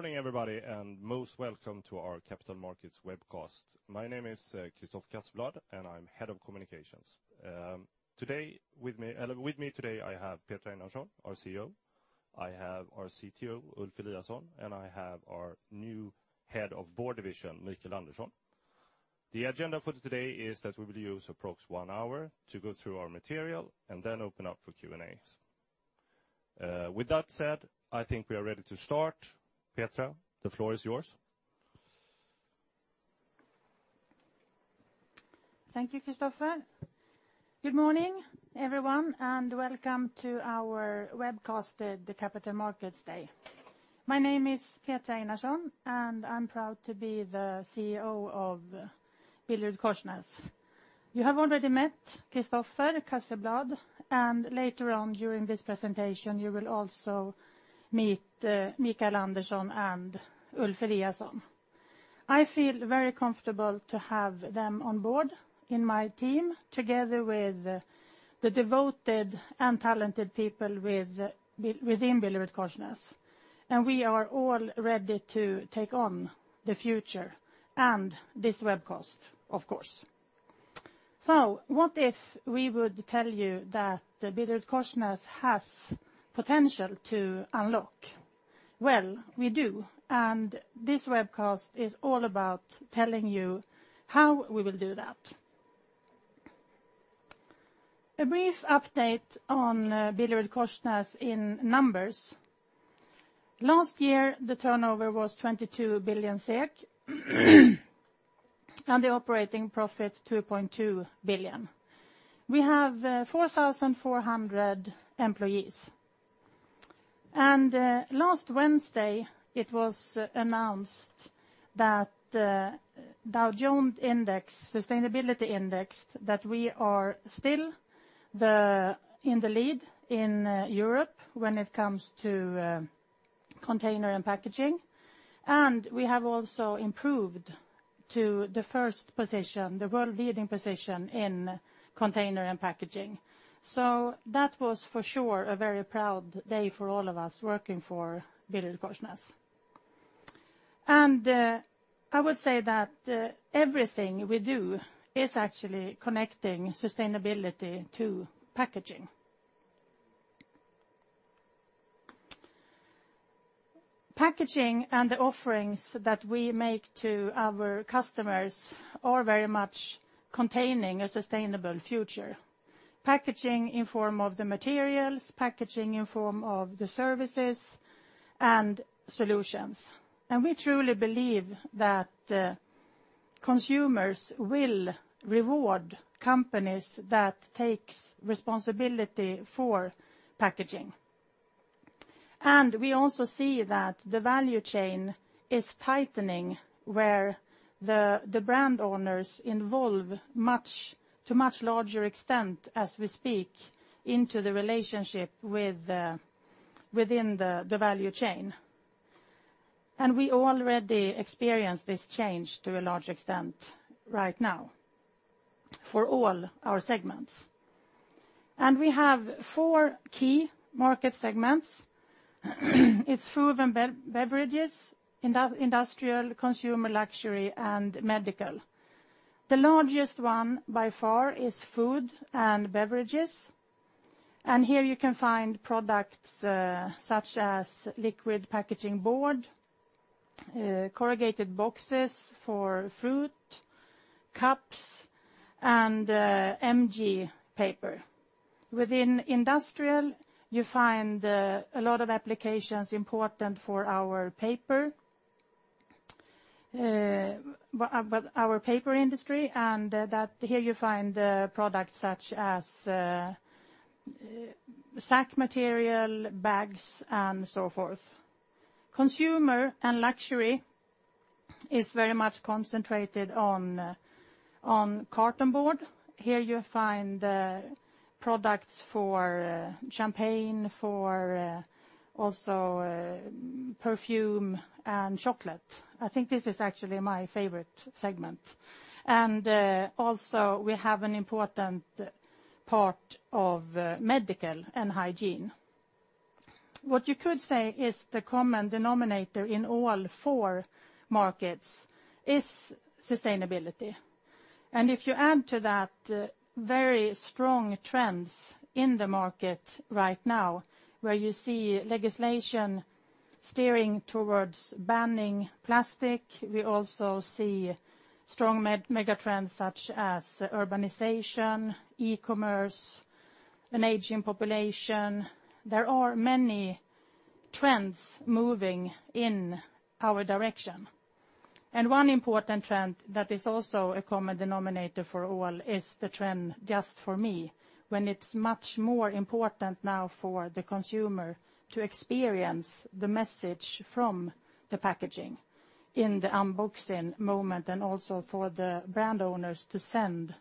Morning, everybody, and most welcome to our capital markets webcast. My name is Christopher Casselblad, and I'm head of communications. With me today I have Petra Einarsson, our CEO, I have our CTO, Ulf Eliasson, and I have our new head of board division, Mikael Andersson. The agenda for today is that we will use approx one hour to go through our material and then open up for Q&As. With that said, I think we are ready to start. Petra, the floor is yours. Thank you, Christopher. Good morning, everyone, and welcome to our webcast, the Capital Markets Day. My name is Petra Einarsson, and I'm proud to be the CEO of BillerudKorsnäs. You have already met Christopher Casselblad, and later on during this presentation, you will also meet Mikael Andersson and Ulf Eliasson. I feel very comfortable to have them on board in my team, together with the devoted and talented people within BillerudKorsnäs. We are all ready to take on the future, and this webcast, of course. What if we would tell you that BillerudKorsnäs has potential to unlock? Well, we do. This webcast is all about telling you how we will do that. A brief update on BillerudKorsnäs in numbers. Last year, the turnover was 22 billion SEK, and the operating profit 2.2 billion. We have 4,400 employees. Last Wednesday, it was announced that Dow Jones Sustainability Index, that we are still in the lead in Europe when it comes to container and packaging. We have also improved to the first position, the world-leading position in container and packaging. That was for sure a very proud day for all of us working for BillerudKorsnäs. I would say that everything we do is actually connecting sustainability to packaging. Packaging and the offerings that we make to our customers are very much containing a sustainable future. Packaging in form of the materials, packaging in form of the services and solutions. We truly believe that consumers will reward companies that takes responsibility for packaging. We also see that the value chain is tightening, where the brand owners involve to much larger extent as we speak into the relationship within the value chain. We already experience this change to a large extent right now for all our segments. We have four key market segments: it's food and beverages, industrial, consumer luxury, and medical. The largest one by far is food and beverages, and here you can find products such as Liquid Packaging Board, corrugated boxes for fruit, cups, and MG paper. Within industrial, you find a lot of applications important for our paper industry, and here you find products such as sack material, bags, and so forth. Consumer and luxury is very much concentrated on cartonboard. Here you find products for champagne, for also perfume and chocolate. I think this is actually my favorite segment. Also we have an important part of medical and hygiene. What you could say is the common denominator in all four markets is sustainability. If you add to that very strong trends in the market right now, where you see legislation steering towards banning plastic, we also see strong mega trends such as urbanization, e-commerce, an aging population. There are many trends moving in our direction. One important trend that is also a common denominator for all is the trend Just for Me, when it's much more important now for the consumer to experience the message from the packaging in the unboxing moment, and also for the brand owners to send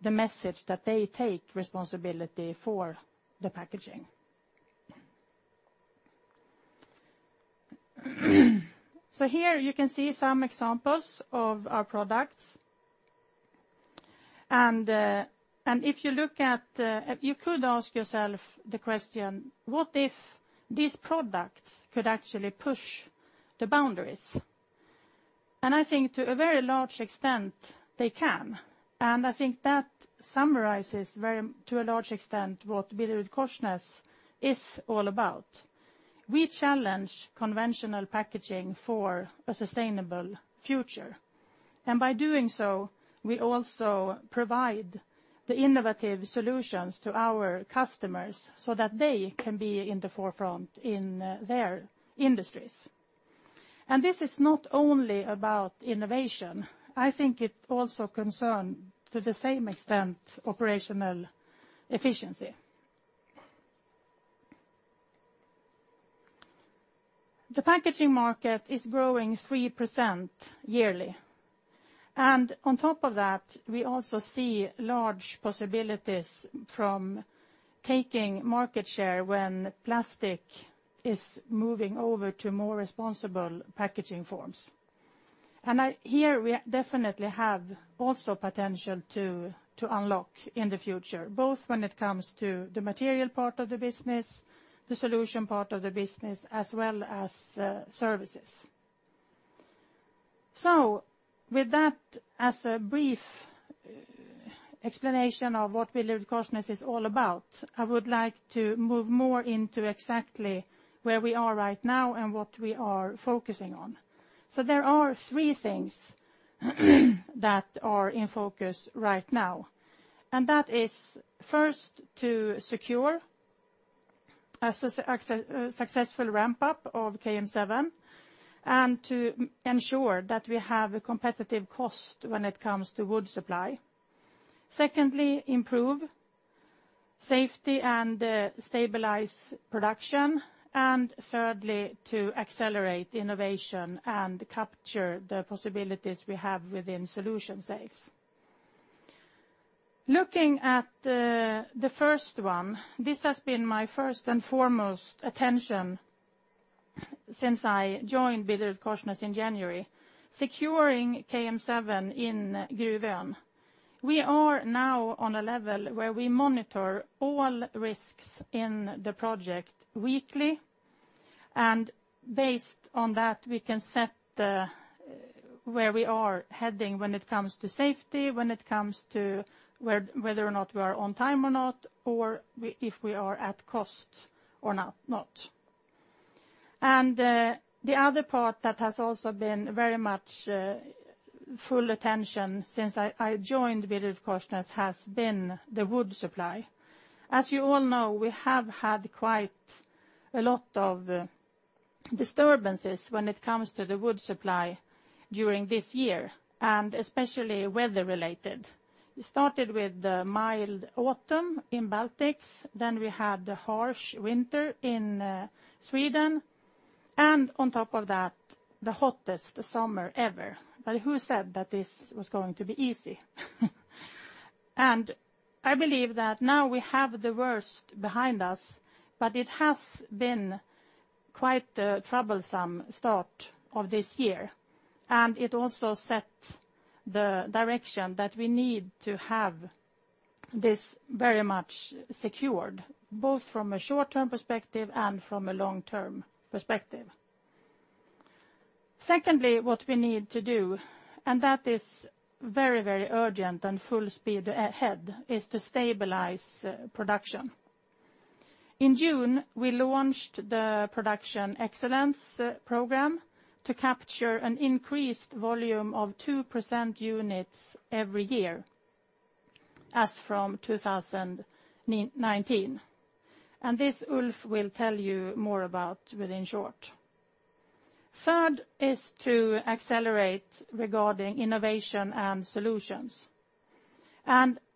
the message that they take responsibility for the packaging. So here you can see some examples of our products. If you look at, you could ask yourself the question: what if these products could actually push the boundaries? I think to a very large extent, they can. I think that summarizes to a large extent what BillerudKorsnäs is all about. We challenge conventional packaging for a sustainable future, and by doing so, we also provide the innovative solutions to our customers so that they can be in the forefront in their industries. This is not only about innovation, I think it also concern to the same extent, operational efficiency. The packaging market is growing 3% yearly, and on top of that, we also see large possibilities from taking market share when plastic is moving over to more responsible packaging forms. Here we definitely have also potential to unlock in the future, both when it comes to the material part of the business, the solution part of the business, as well as services. With that as a brief explanation of what BillerudKorsnäs is all about, I would like to move more into exactly where we are right now and what we are focusing on. There are three things that are in focus right now, and that is first to secure a successful ramp-up of KM7 and to ensure that we have a competitive cost when it comes to wood supply. Secondly, improve safety and stabilize production, and thirdly, to accelerate innovation and capture the possibilities we have within solution sales. Looking at the first one, this has been my first and foremost attention since I joined BillerudKorsnäs in January, securing KM7 in Gruvön. We are now on a level where we monitor all risks in the project weekly, and based on that, we can set where we are heading when it comes to safety, when it comes to whether or not we are on time or not, or if we are at cost or not. The other part that has also been very much full attention since I joined BillerudKorsnäs has been the wood supply. As you all know, we have had quite a lot of disturbances when it comes to the wood supply during this year, and especially weather-related. It started with the mild autumn in Baltics, then we had the harsh winter in Sweden, and on top of that, the hottest summer ever. Who said that this was going to be easy? I believe that now we have the worst behind us, but it has been quite a troublesome start of this year, and it also set the direction that we need to have this very much secured, both from a short-term perspective and from a long-term perspective. Secondly, what we need to do, and that is very, very urgent and full speed ahead, is to stabilize production. In June, we launched the Production Excellence Program to capture an increased volume of 2% units every year as from 2019, and this Ulf will tell you more about within short. Third is to accelerate regarding innovation and solutions.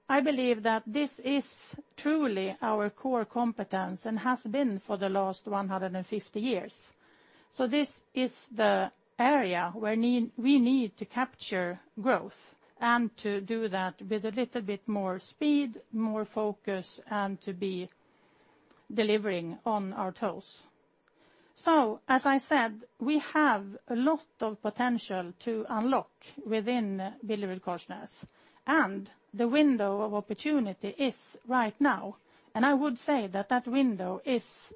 I believe that this is truly our core competence and has been for the last 150 years. This is the area where we need to capture growth, and to do that with a little bit more speed, more focus, and to be delivering on our toes. As I said, we have a lot of potential to unlock within BillerudKorsnäs, and the window of opportunity is right now, and I would say that that window is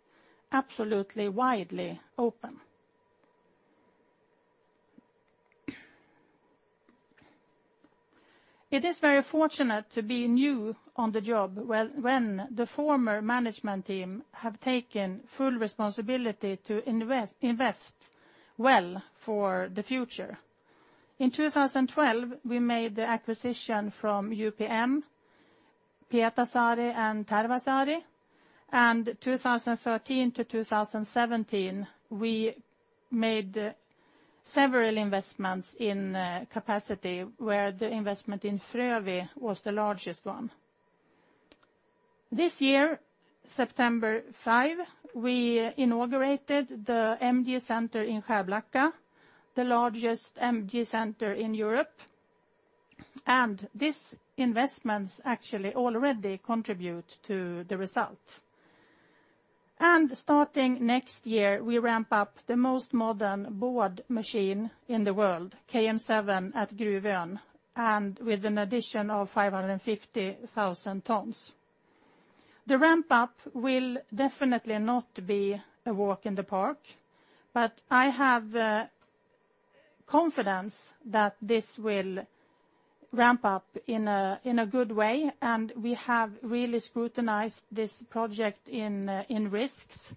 absolutely widely open. It is very fortunate to be new on the job when the former management team have taken full responsibility to invest well for the future. In 2012, we made the acquisition from UPM, Pietarsaari and Tervasaari, and 2013 to 2017, we made several investments in capacity, where the investment in Frövi was the largest one. This year, September 5, we inaugurated the MG Centre in Skärblacka, the largest MG Centre in Europe, and these investments actually already contribute to the result. Starting next year, we ramp up the most modern board machine in the world, KM7, at Gruvön, and with an addition of 550,000 tons. The ramp up will definitely not be a walk in the park, but I have confidence that this will ramp up in a good way, and we have really scrutinized this project in risks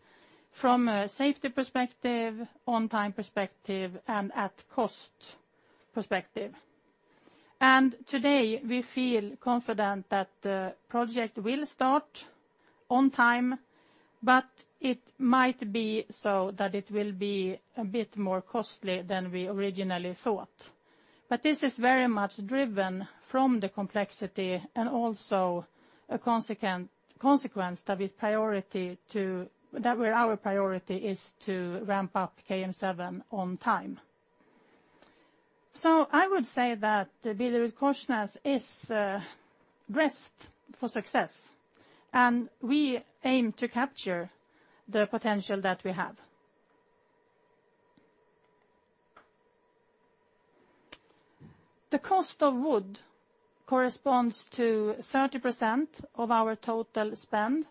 from a safety perspective, on time perspective, and at cost perspective. Today, we feel confident that the project will start on time, but it might be so that it will be a bit more costly than we originally thought. This is very much driven from the complexity and also a consequence that our priority is to ramp up KM7 on time. I would say that BillerudKorsnäs is braced for success, and we aim to capture the potential that we have. The cost of wood corresponds to 30% of our total spend,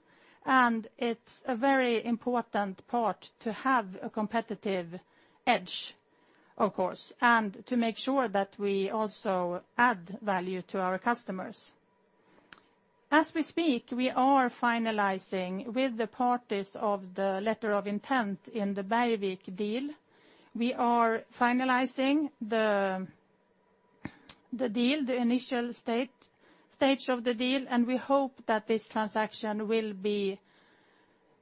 and it's a very important part to have a competitive edge, of course, and to make sure that we also add value to our customers. As we speak, we are finalizing with the parties of the letter of intent in the Bergvik deal. We are finalizing the deal, the initial stage of the deal, and we hope that this transaction will be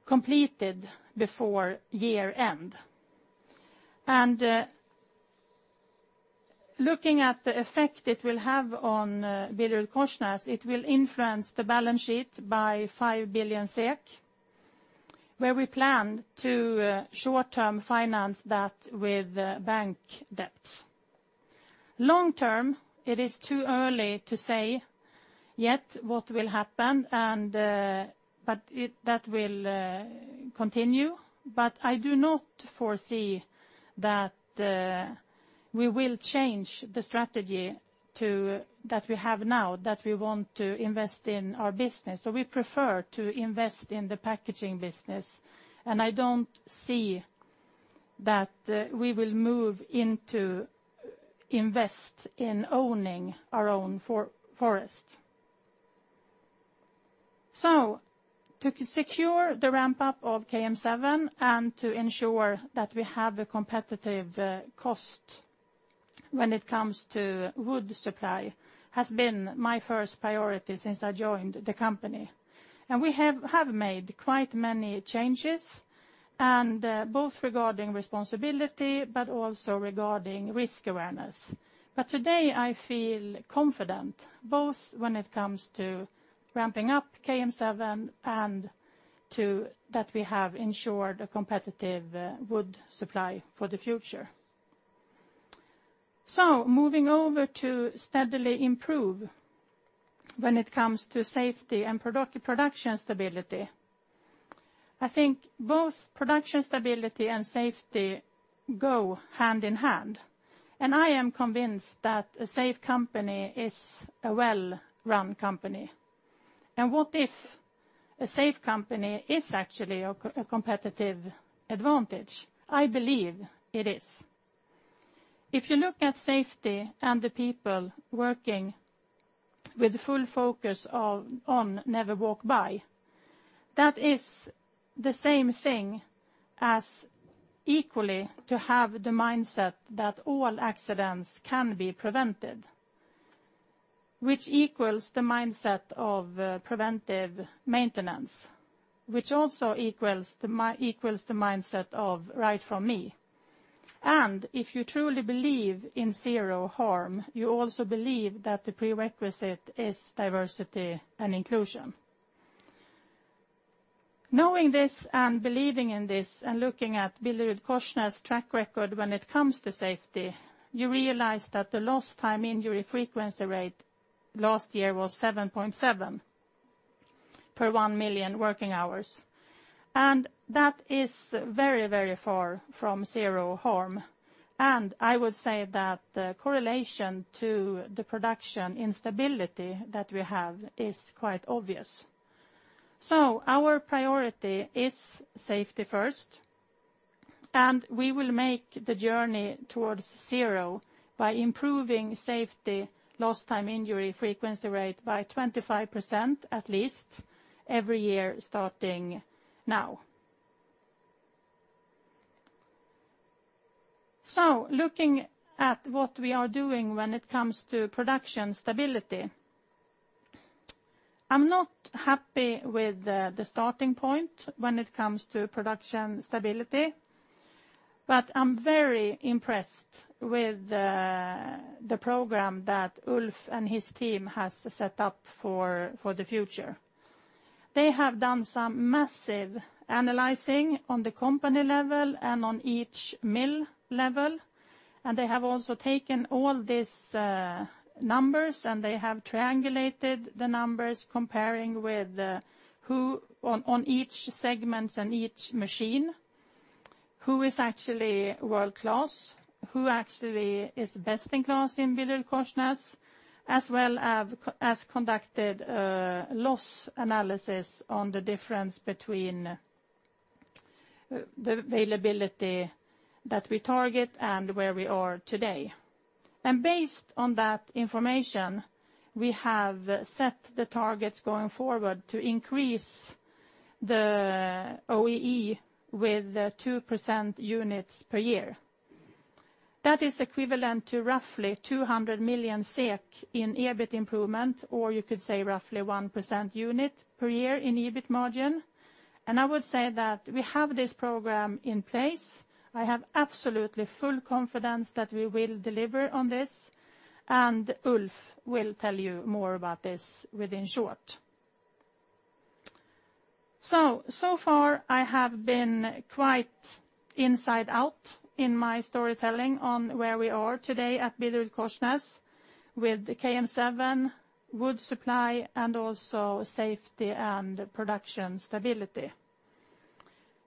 completed before year end. Looking at the effect it will have on BillerudKorsnäs, it will influence the balance sheet by 5 billion SEK, where we plan to short-term finance that with bank debts. Long-term, it is too early to say yet what will happen, but that will continue. I do not foresee that we will change the strategy that we have now, that we want to invest in our business. We prefer to invest in the packaging business, and I don't see that we will move into invest in owning our own forest. To secure the ramp up of KM7 and to ensure that we have a competitive cost when it comes to wood supply has been my first priority since I joined the company. We have made quite many changes, both regarding responsibility but also regarding risk awareness. Today, I feel confident, both when it comes to ramping up KM7 and that we have ensured a competitive wood supply for the future. Moving over to steadily improve when it comes to safety and production stability. I think both production stability and safety go hand in hand. I am convinced that a safe company is a well-run company. What if a safe company is actually a competitive advantage? I believe it is. If you look at safety and the people working with full focus on never walk by, that is the same thing as equally to have the mindset that all accidents can be prevented, which equals the mindset of preventive maintenance, which also equals the mindset of Right First Time. If you truly believe in zero harm, you also believe that the prerequisite is diversity and inclusion. Knowing this and believing in this and looking at BillerudKorsnäs track record when it comes to safety, you realize that the lost time injury frequency rate last year was 7.7 per 1 million working hours. That is very, very far from zero harm. I would say that the correlation to the production instability that we have is quite obvious. Our priority is safety first, and we will make the journey towards zero by improving safety lost time injury frequency rate by 25% at least every year starting now. Looking at what we are doing when it comes to production stability. I'm not happy with the starting point when it comes to production stability, but I'm very impressed with the program that Ulf and his team has set up for the future. They have done some massive analyzing on the company level and on each mill level. They have also taken all these numbers, and they have triangulated the numbers, comparing with who on each segment and each machine, who is actually world-class, who actually is best in class in BillerudKorsnäs, as well as conducted a loss analysis on the difference between the availability that we target and where we are today. Based on that information, we have set the targets going forward to increase the OEE with 2% units per year. That is equivalent to roughly 200 million SEK in EBIT improvement, or you could say roughly 1% unit per year in EBIT margin. I would say that we have this program in place. I have absolutely full confidence that we will deliver on this, and Ulf will tell you more about this within short. Far, I have been quite inside out in my storytelling on where we are today at BillerudKorsnäs with the KM7, wood supply, and also safety and production stability.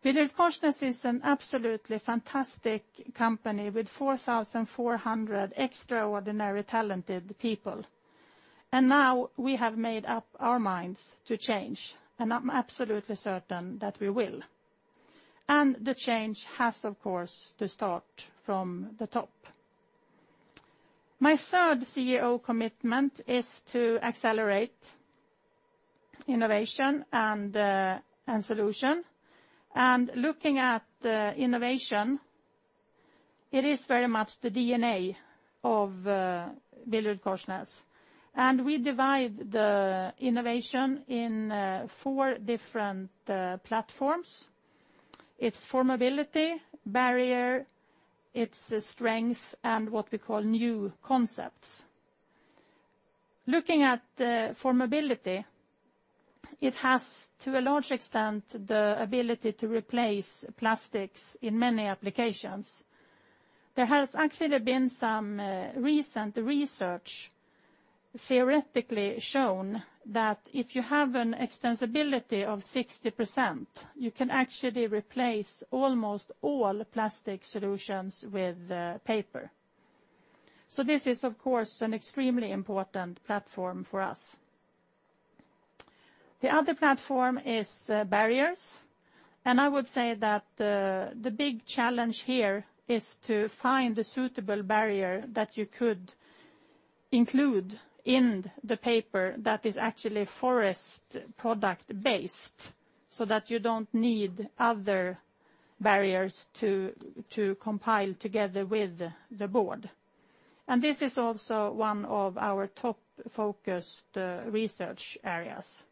BillerudKorsnäs is an absolutely fantastic company with 4,400 extraordinary talented people. Now we have made up our minds to change. I'm absolutely certain that we will. The change has, of course, to start from the top. My third CEO commitment is to accelerate innovation and solution. Looking at innovation, it is very much the DNA of BillerudKorsnäs. We divide the innovation in four different platforms. It is formability, barrier, it is strength, and what we call new concepts. Looking at formability, it has, to a large extent, the ability to replace plastics in many applications. There has actually been some recent research theoretically shown that if you have an extensibility of 60%, you can actually replace almost all plastic solutions with paper. This is, of course, an extremely important platform for us. The other platform is barriers, and I would say that the big challenge here is to find a suitable barrier that you could include in the paper that is actually forest product based, so that you don't need other barriers to compile together with the board. This is also one of our top focused research areas.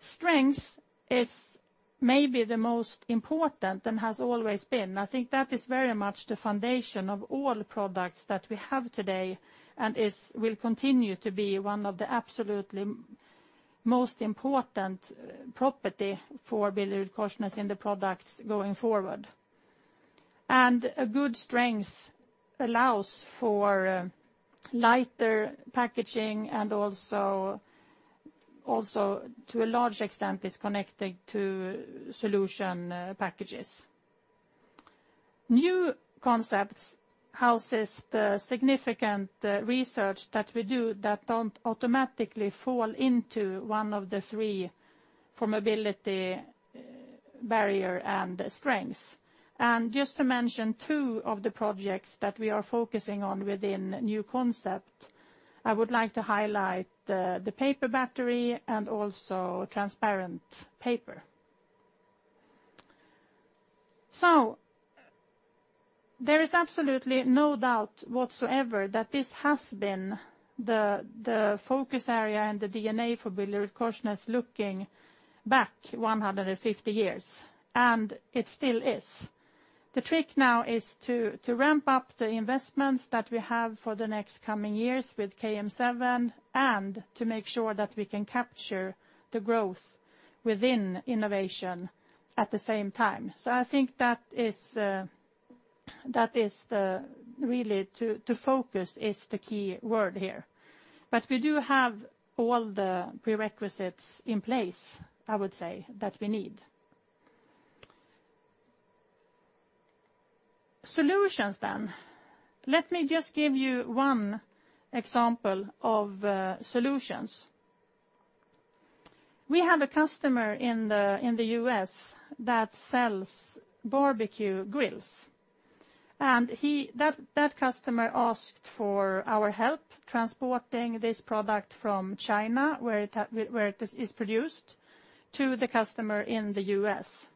Strength is maybe the most important and has always been. I think that is very much the foundation of all products that we have today and will continue to be one of the absolutely most important property for BillerudKorsnäs in the products going forward. A good strength allows for lighter packaging and also to a large extent is connected to solution packages. New concepts houses the significant research that we do that don't automatically fall into one of the three, formability, barrier, and strength. Just to mention two of the projects that we are focusing on within new concept, I would like to highlight the paper battery and also transparent paper. There is absolutely no doubt whatsoever that this has been the focus area and the DNA for BillerudKorsnäs looking back 150 years, and it still is. The trick now is to ramp up the investments that we have for the next coming years with KM7 and to make sure that we can capture the growth within innovation at the same time. I think that is really to focus is the key word here. We do have all the prerequisites in place, I would say, that we need. Solutions, then. Let me just give you one example of solutions. We have a customer in the U.S. that sells barbecue grills, and that customer asked for our help transporting this product from China, where it is produced, to the customer in the U.S.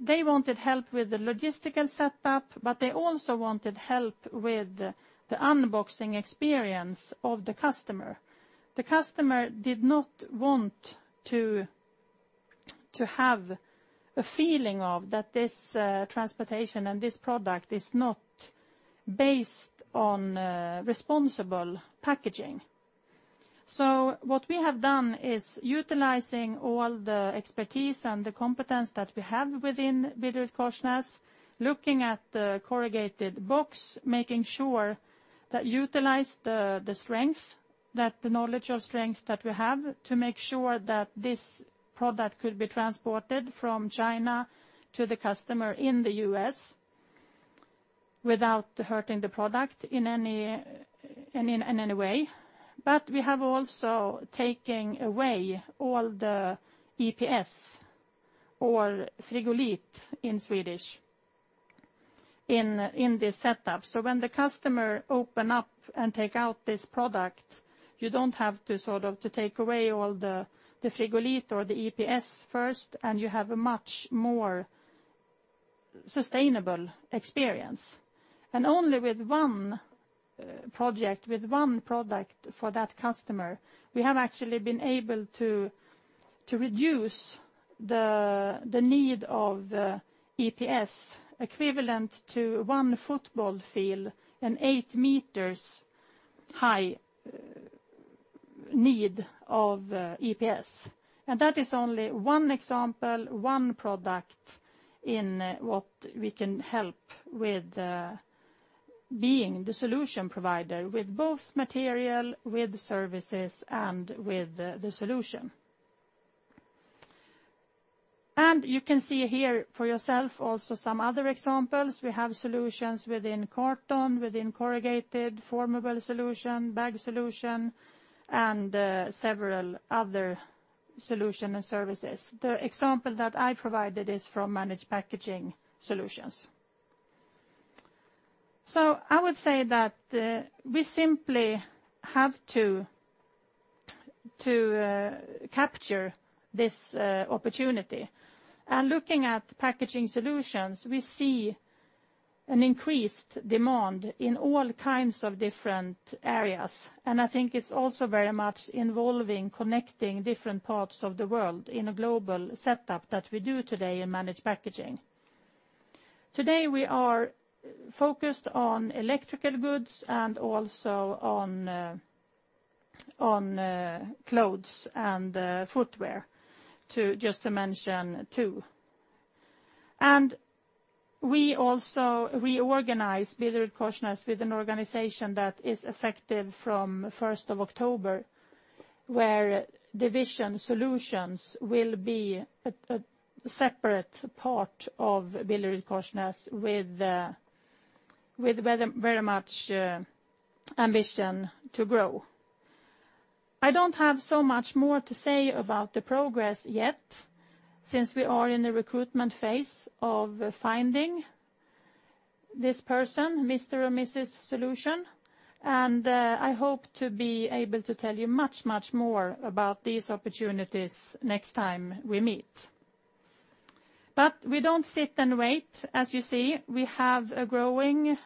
They wanted help with the logistical setup, but they also wanted help with the unboxing experience of the customer. The customer did not want to have a feeling of that this transportation and this product is not based on responsible packaging. What we have done is utilizing all the expertise and the competence that we have within BillerudKorsnäs, looking at the corrugated box, making sure that utilize the knowledge of strengths that we have to make sure that this product could be transported from China to the customer in the U.S. without hurting the product in any way. We have also taken away all the EPS, or frigolit in Swedish, in this setup. When the customer open up and take out this product, you don't have to take away all the frigolit or the EPS first, and you have a much more sustainable experience. Only with one project, with one product for that customer, we have actually been able to reduce the need of EPS equivalent to one football field and 8 meters high need of EPS. That is only one example, one product in what we can help with being the solution provider with both material, with services, and with the solution. You can see here for yourself also some other examples. We have solutions within carton, within corrugated, formable solution, bag solution, and several other solution and services. The example that I provided is from Managed Packaging Solutions. I would say that we simply have to capture this opportunity. Looking at packaging solutions, we see an increased demand in all kinds of different areas, and I think it is also very much involving connecting different parts of the world in a global setup that we do today in Managed Packaging. Today, we are focused on electrical goods and also on clothes and footwear, just to mention 2. We also reorganized BillerudKorsnäs with an organization that is effective from 1st of October, where division solutions will be a separate part of BillerudKorsnäs with very much ambition to grow. I don't have so much more to say about the progress yet, since we are in the recruitment phase of finding this person, Mr. or Mrs. Solution, and I hope to be able to tell you much, much more about these opportunities next time we meet. We don't sit and wait, as you see, we have a growing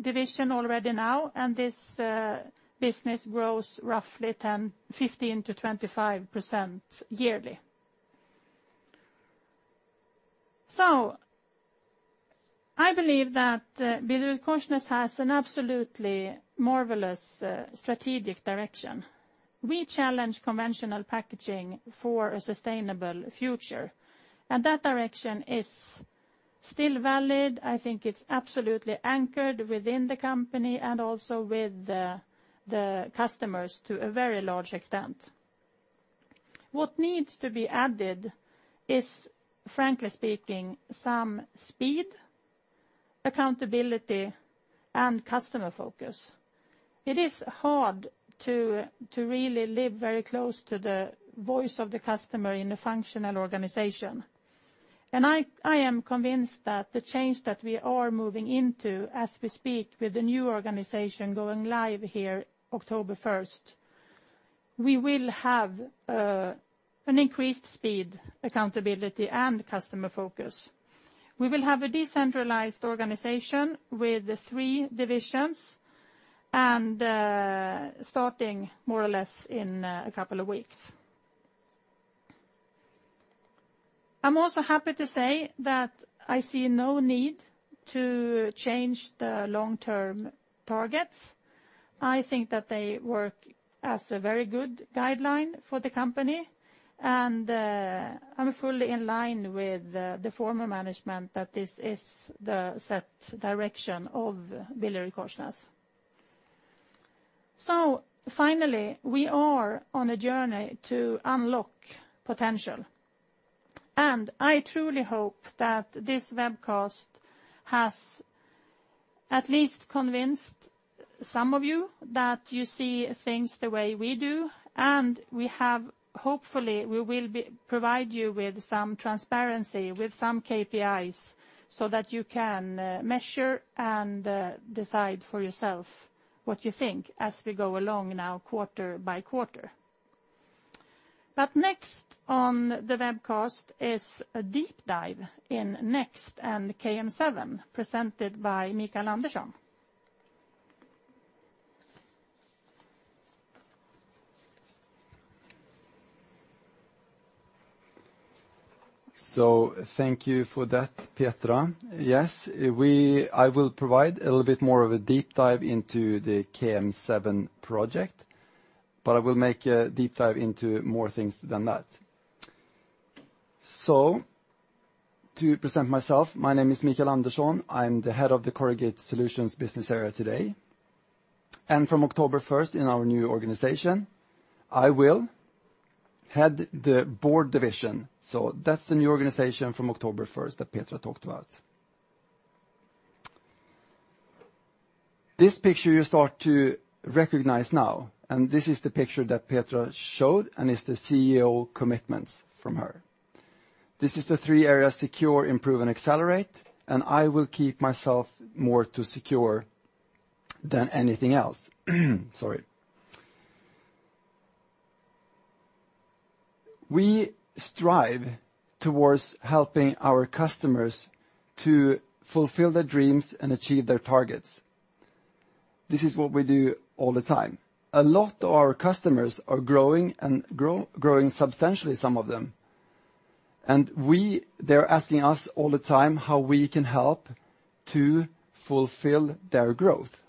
division already now, and this business grows roughly 15%-25% yearly. I believe that BillerudKorsnäs has an absolutely marvelous strategic direction. We challenge conventional packaging for a sustainable future, and that direction is still valid. I think it is absolutely anchored within the company and also with the customers to a very large extent. What needs to be added is, frankly speaking, some speed, accountability, and customer focus. It is hard to really live very close to the voice of the customer in a functional organization. I am convinced that the change that we are moving into as we speak with the new organization going live here October 1st, we will have an increased speed, accountability, and customer focus. We will have a decentralized organization with the 3 divisions and starting more or less in a couple of weeks. I'm also happy to say that I see no need to change the long-term targets. I think that they work as a very good guideline for the company, and I'm fully in line with the former management that this is the set direction of BillerudKorsnäs. Finally, we are on a journey to unlock potential, and I truly hope that this webcast has at least convinced some of you that you see things the way we do, and hopefully, we will provide you with some transparency, with some KPIs so that you can measure and decide for yourself what you think as we go along now quarter by quarter. Next on the webcast is a deep dive in Next and KM7, presented by Mikael Andersson. Thank you for that, Petra. Yes, I will provide a little bit more of a deep dive into the KM7 project, but I will make a deep dive into more things than that. To present myself, my name is Mikael Andersson. I'm the head of the Corrugated Solutions business area today. From October 1st, in our new organization, I will head the board division. That's the new organization from October 1st that Petra talked about. This picture you start to recognize now, and this is the picture that Petra showed, and it's the CEO commitments from her. This is the three areas secure, improve, and accelerate, and I will keep myself more to secure than anything else. Sorry. We strive towards helping our customers to fulfill their dreams and achieve their targets. This is what we do all the time. A lot of our customers are growing, and growing substantially, some of them. They're asking us all the time how we can help to fulfill their growth.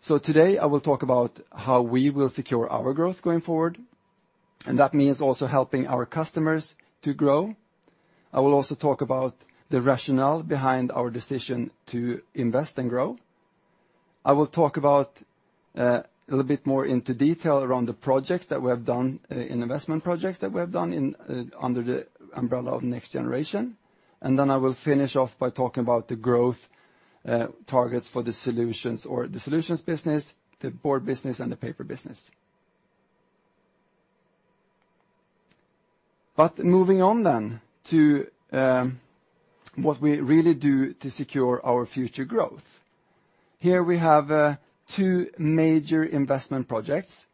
Today, I will talk about how we will secure our growth going forward, and that means also helping our customers to grow. I will also talk about the rationale behind our decision to invest and grow. I will talk about a little bit more into detail around the projects that we have done, investment projects that we have done under the umbrella of Next Generation. I will finish off by talking about the growth targets for the solutions or the solutions business, the board business, and the paper business. Moving on to what we really do to secure our future growth. Here we have two major investment projects.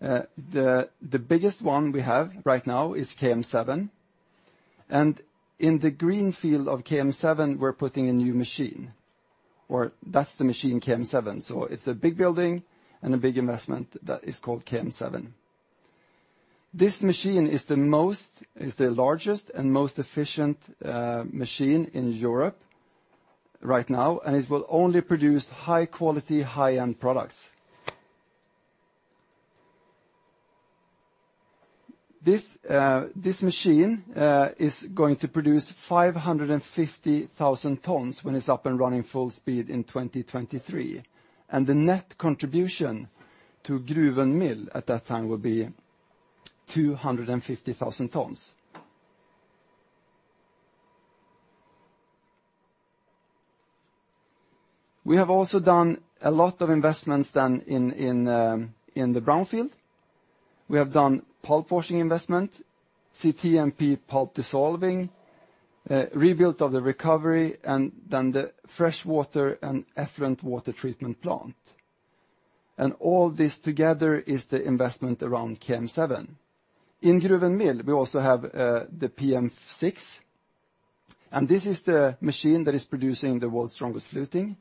The biggest one we have right now is KM7. In the green field of KM7, we're putting a new machine, or that's the machine KM7. It's a big building and a big investment that is called KM7. This machine is the largest and most efficient machine in Europe right now, and it will only produce high-quality, high-end products. This machine is going to produce 550,000 tons when it's up and running full speed in 2023. The net contribution to Gruvön mill at that time will be 250,000 tons. We have also done a lot of investments in the brownfield. We have done pulp washing investment, CTMP pulp dissolving, rebuilt of the recovery, and the fresh water and effluent water treatment plant. All this together is the investment around KM7. In Gruvön mill, we also have the PM6, and this is the machine that is producing the world's strongest fluting.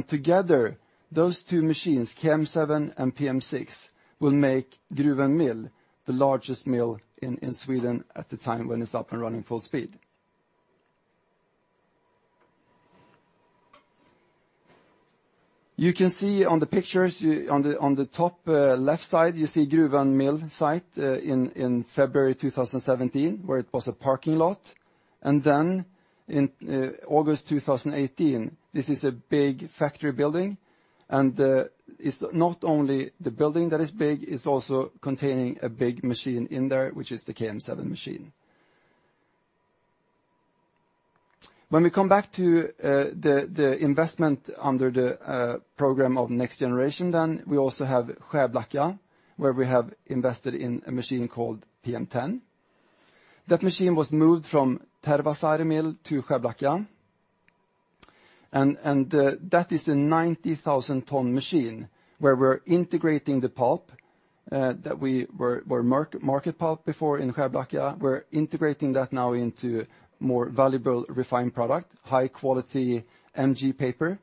Together, those two machines, KM7 and PM6, will make Gruvön mill the largest mill in Sweden at the time when it's up and running full speed. You can see on the pictures, on the top left side, you see Gruvön mill site in February 2017, where it was a parking lot. In August 2018, this is a big factory building, and it's not only the building that is big, it's also containing a big machine in there, which is the KM7 machine. When we come back to the investment under the program of Next Generation, we also have Skärblacka, where we have invested in a machine called PM10. That machine was moved from Tervasaari mill to Skärblacka, and that is a 90,000-ton machine where we're integrating the pulp that we were market pulp before in Skärblacka. We're integrating that now into more valuable refined product, high-quality MG paper.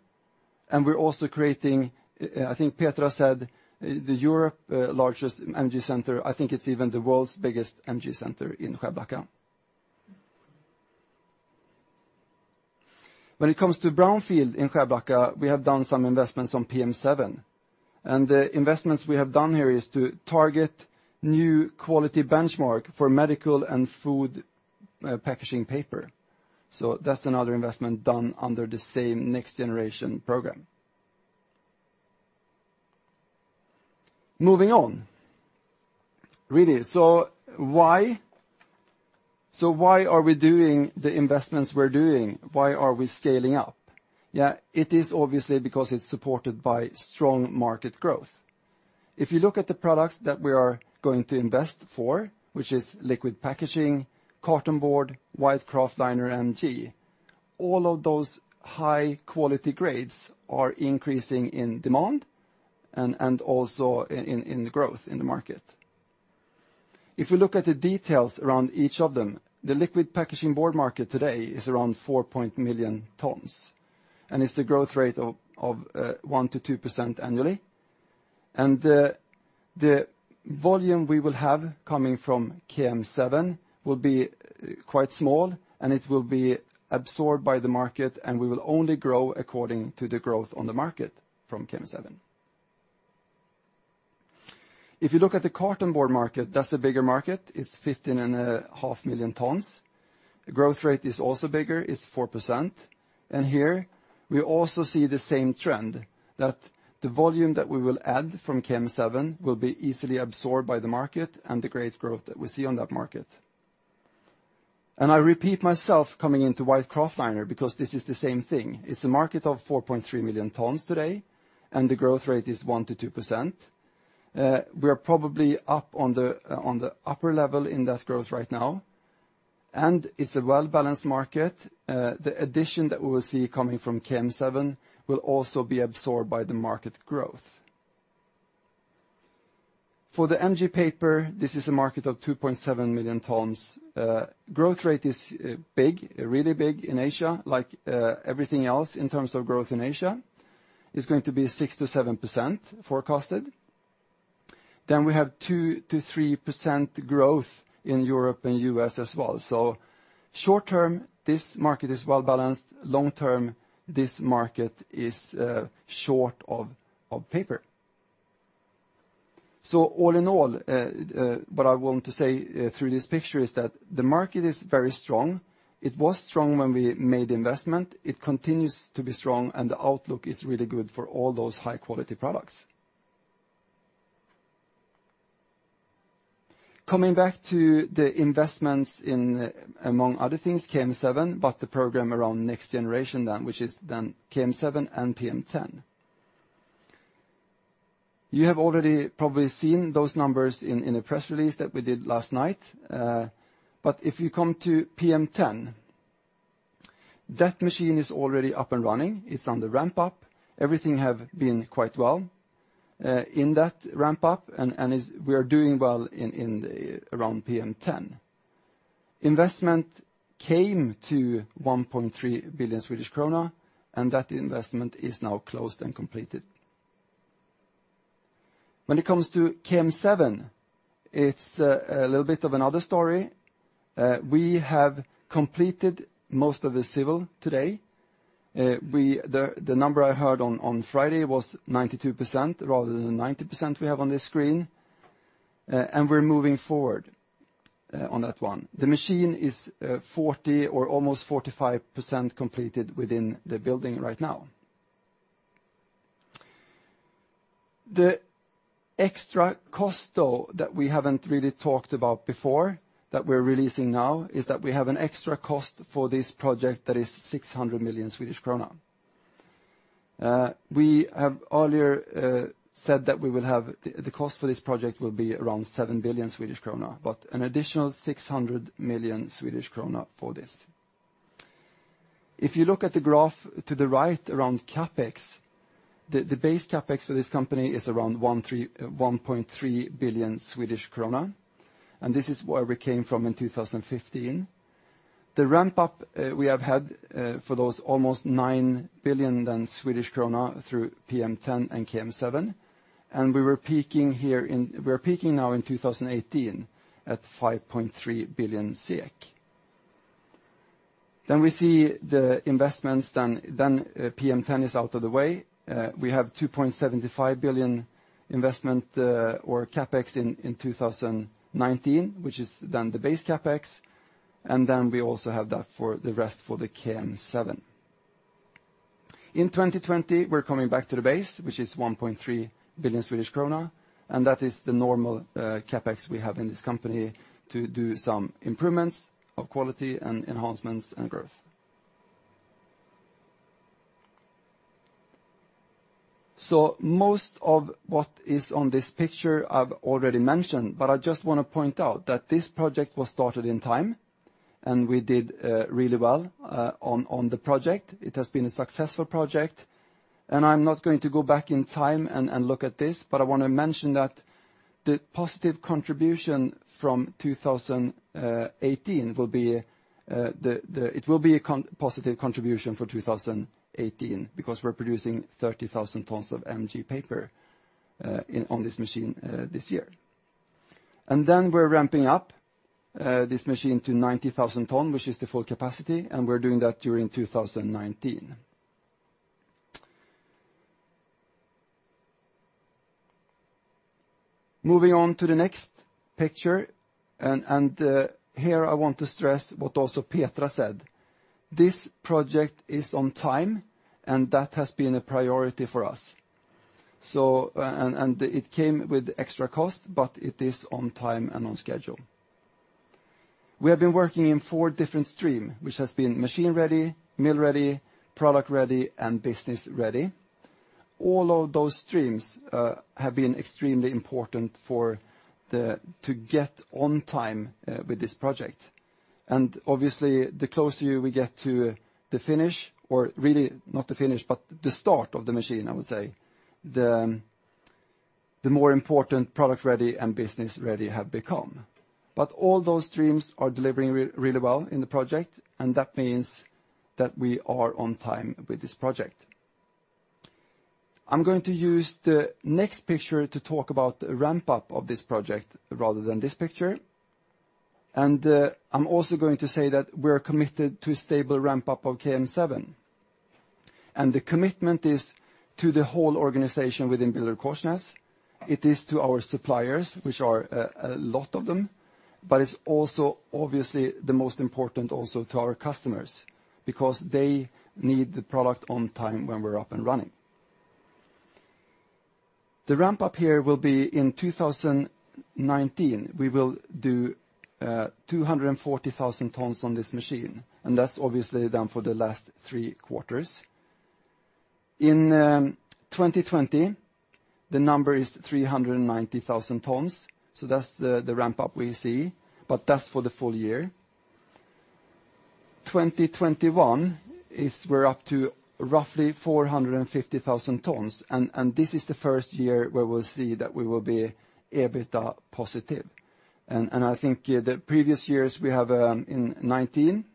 We're also creating, I think Petra Einarsson said, Europe's largest MG Centre. I think it's even the world's biggest MG Centre in Skärblacka. When it comes to brownfield in Skärblacka, we have done some investments on PM7, and the investments we have done here is to target new quality benchmark for medical and food packaging paper. That's another investment done under the same Next Generation program. Moving on. Really, why are we doing the investments we're doing? Why are we scaling up? Yeah, it is obviously because it's supported by strong market growth. If you look at the products that we are going to invest for, which is Liquid Packaging Board, cartonboard, white kraftliner MG, all of those high-quality grades are increasing in demand and also in growth in the market. If you look at the details around each of them, the Liquid Packaging Board market today is around 4 million tons, and it's a growth rate of 1%-2% annually. The volume we will have coming from KM7 will be quite small, and it will be absorbed by the market, and we will only grow according to the growth on the market from KM7. If you look at the cartonboard market, that's a bigger market. It's 15.5 million tons. The growth rate is also bigger, it's 4%. Here we also see the same trend, that the volume that we will add from KM7 will be easily absorbed by the market and the great growth that we see on that market. I repeat myself coming into white kraftliner because this is the same thing. It's a market of 4.3 million tons today, and the growth rate is 1%-2%. We are probably up on the upper level in that growth right now, and it's a well-balanced market. The addition that we will see coming from KM7 will also be absorbed by the market growth. For the MG paper, this is a market of 2.7 million tons. Growth rate is big, really big in Asia, like everything else in terms of growth in Asia. It's going to be 6%-7% forecasted. Then we have 2%-3% growth in Europe and U.S. as well. So short term, this market is well-balanced. Long term, this market is short of paper. So all in all, what I want to say through this picture is that the market is very strong. It was strong when we made the investment. It continues to be strong, and the outlook is really good for all those high-quality products. Coming back to the investments in, among other things, KM7, but the program around Next Generation then, which is then KM7 and PM10. You have already probably seen those numbers in a press release that we did last night. But if you come to PM10, that machine is already up and running. It's on the ramp-up. Everything have been quite well in that ramp-up, and we are doing well around PM10. Investment came to 1.3 billion Swedish krona, and that investment is now closed and completed. When it comes to KM7, it's a little bit of another story. We have completed most of the civil today. The number I heard on Friday was 92%, rather than 90% we have on this screen. We're moving forward on that one. The machine is 40% or almost 45% completed within the building right now. The extra cost, though, that we haven't really talked about before, that we're releasing now, is that we have an extra cost for this project that is 600 million Swedish krona. We have earlier said that the cost for this project will be around 7 billion Swedish krona, but an additional 600 million Swedish krona for this. If you look at the graph to the right around CapEx, the base CapEx for this company is around 1.3 billion Swedish krona, and this is where we came from in 2015. The ramp-up we have had for those almost 9 billion through PM10 and KM7. We are peaking now in 2018 at 5.3 billion SEK. We see the investments, then PM10 is out of the way. We have 2.75 billion investment or CapEx in 2019, which is then the base CapEx, and then we also have that for the rest for the KM7. In 2020, we're coming back to the base, which is 1.3 billion Swedish krona, and that is the normal CapEx we have in this company to do some improvements of quality and enhancements and growth. Most of what is on this picture I've already mentioned, but I just want to point out that this project was started in time, and we did really well on the project. It has been a successful project, and I'm not going to go back in time and look at this, but I want to mention that the positive contribution from 2018, it will be a positive contribution for 2018 because we're producing 30,000 tons of MG paper on this machine this year. We're ramping up this machine to 90,000 tons, which is the full capacity, and we're doing that during 2019. Moving on to the next picture, and here I want to stress what also Petra said. This project is on time, and that has been a priority for us. It came with extra cost, but it is on time and on schedule. We have been working in four different streams, which has been machine ready, mill ready, product ready, and business ready. All of those streams have been extremely important to get on time with this project. Obviously, the closer we get to the finish, or really not the finish, but the start of the machine, I would say, the more important product ready and business ready have become. All those streams are delivering really well in the project, and that means that we are on time with this project. I'm going to use the next picture to talk about the ramp-up of this project rather than this picture. I'm also going to say that we're committed to a stable ramp-up of KM7. The commitment is to the whole organization within BillerudKorsnäs. It is to our suppliers, which are a lot of them, but it's also obviously the most important also to our customers, because they need the product on time when we're up and running. The ramp-up here will be in 2019. We will do 240,000 tons on this machine, and that's obviously done for the last three quarters. In 2020, the number is 390,000 tons. That's the ramp-up we see, but that's for the full year. 2021, we're up to roughly 450,000 tons, this is the first year where we'll see that we will be EBITDA positive. I think the previous years we have in 2019,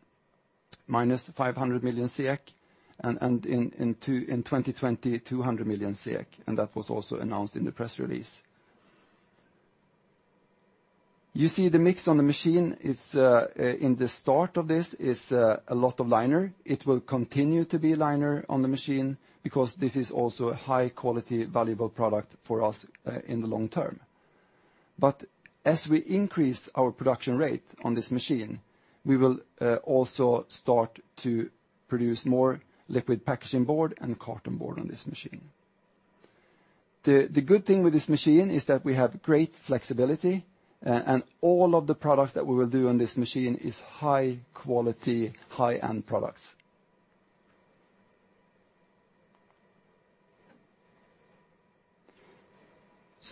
minus 500 million, in 2020, 200 million, that was also announced in the press release. You see the mix on the machine in the start of this is a lot of Liner. It will continue to be Liner on the machine because this is also a high-quality, valuable product for us in the long term. As we increase our production rate on this machine, we will also start to produce more Liquid Packaging Board and cartonboard on this machine. The good thing with this machine is that we have great flexibility, and all of the products that we will do on this machine is high-quality, high-end products.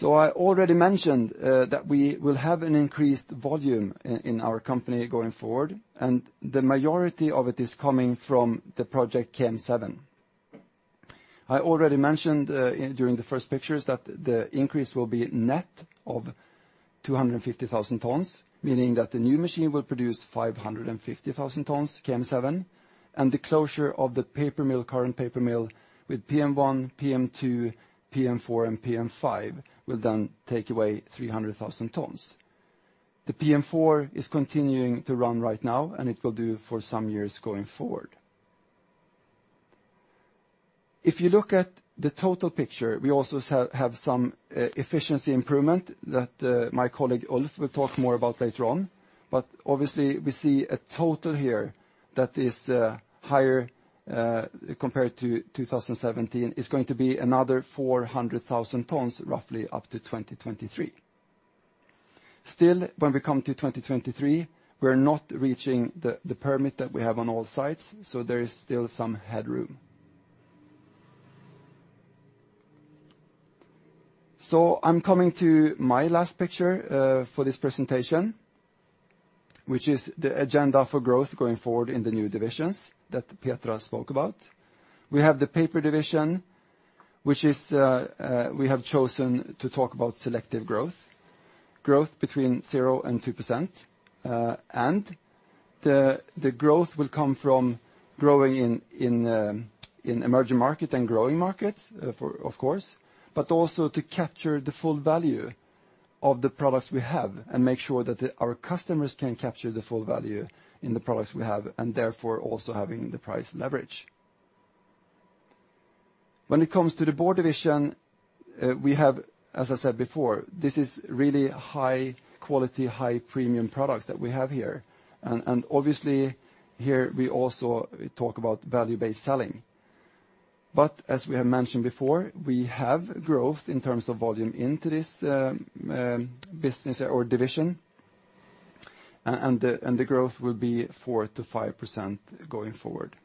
I already mentioned that we will have an increased volume in our company going forward, the majority of it is coming from the project KM7. I already mentioned during the first pictures that the increase will be net of 250,000 tons, meaning that the new machine will produce 550,000 tons, KM7, the closure of the current paper mill with PM1, PM2, PM4, and PM5, will then take away 300,000 tons. The PM4 is continuing to run right now, it will do for some years going forward. If you look at the total picture, we also have some efficiency improvement that my colleague, Ulf, will talk more about later on. Obviously, we see a total here that is higher, compared to 2017, is going to be another 400,000 tons, roughly up to 2023. Still, when we come to 2023, we're not reaching the permit that we have on all sites, there is still some headroom. I'm coming to my last picture for this presentation, which is the agenda for growth going forward in the new divisions that Petra spoke about. We have the paper division, which is we have chosen to talk about selective growth between 0% and 2%. The growth will come from growing in emerging market and growing markets, of course, but also to capture the full value of the products we have and make sure that our customers can capture the full value in the products we have, therefore also having the price leverage. When it comes to the board division, we have, as I said before, this is really high-quality, high-premium products that we have here. Obviously here we also talk about value-based selling. As we have mentioned before, we have growth in terms of volume into this business or division, the growth will be 4%-5% going forward.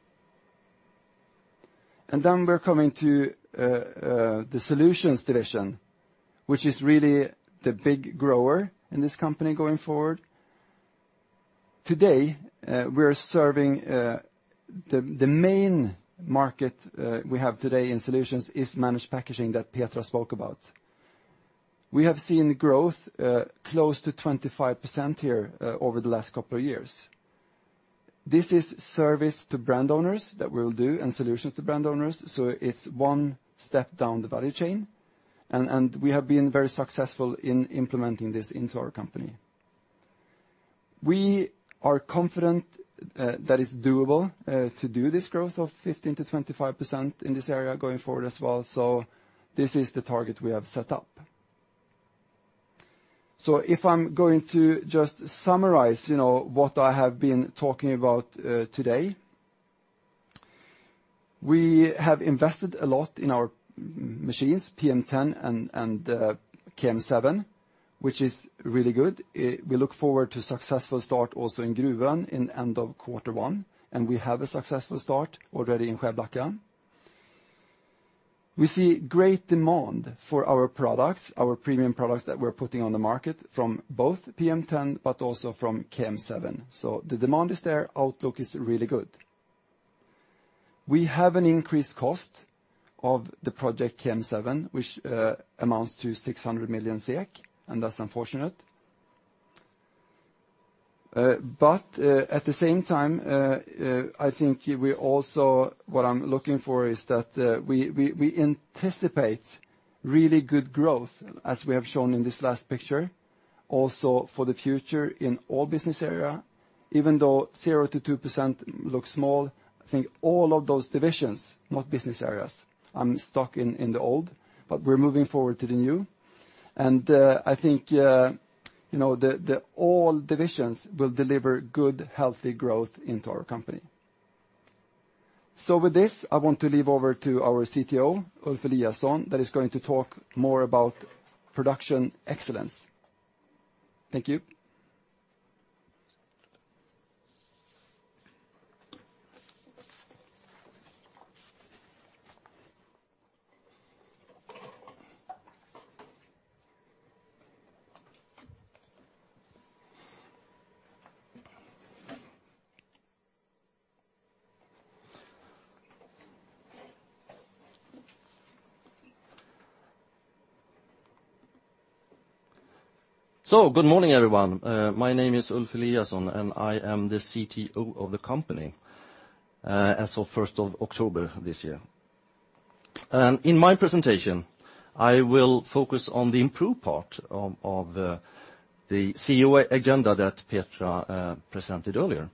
We're coming to the Solutions division, which is really the big grower in this company going forward. Today, we're serving the main market we have today in Solutions is Managed Packaging that Petra spoke about. We have seen growth close to 25% here over the last couple of years. This is service to brand owners that we'll do, solutions to brand owners, it's one step down the value chain, we have been very successful in implementing this into our company. We are confident that it's doable to do this growth of 15%-25% in this area going forward as well. This is the target we have set up. If I'm going to just summarize what I have been talking about today. We have invested a lot in our machines, PM10 and KM7, which is really good. We look forward to successful start also in Gruvön in end of quarter one, and we have a successful start already in Skärblacka. We see great demand for our products, our premium products that we're putting on the market from both PM10 but also from KM7. The demand is there, outlook is really good. We have an increased cost of the project KM7, which amounts to 600 million SEK, that's unfortunate. At the same time, I think what I'm looking for is that we anticipate really good growth, as we have shown in this last picture, also for the future in all business area, even though 0%-2% looks small, I think all of those divisions, not business areas, I'm stuck in the old, but we're moving forward to the new. I think that all divisions will deliver good, healthy growth into our company. With this, I want to leave over to our CTO, Ulf Eliasson, that is going to talk more about Production Excellence. Thank you. Good morning, everyone. My name is Ulf Eliasson, and I am the CTO of the company as of 1st of October this year. In my presentation, I will focus on the improve part of the CEO agenda that Petra Einarsson presented earlier.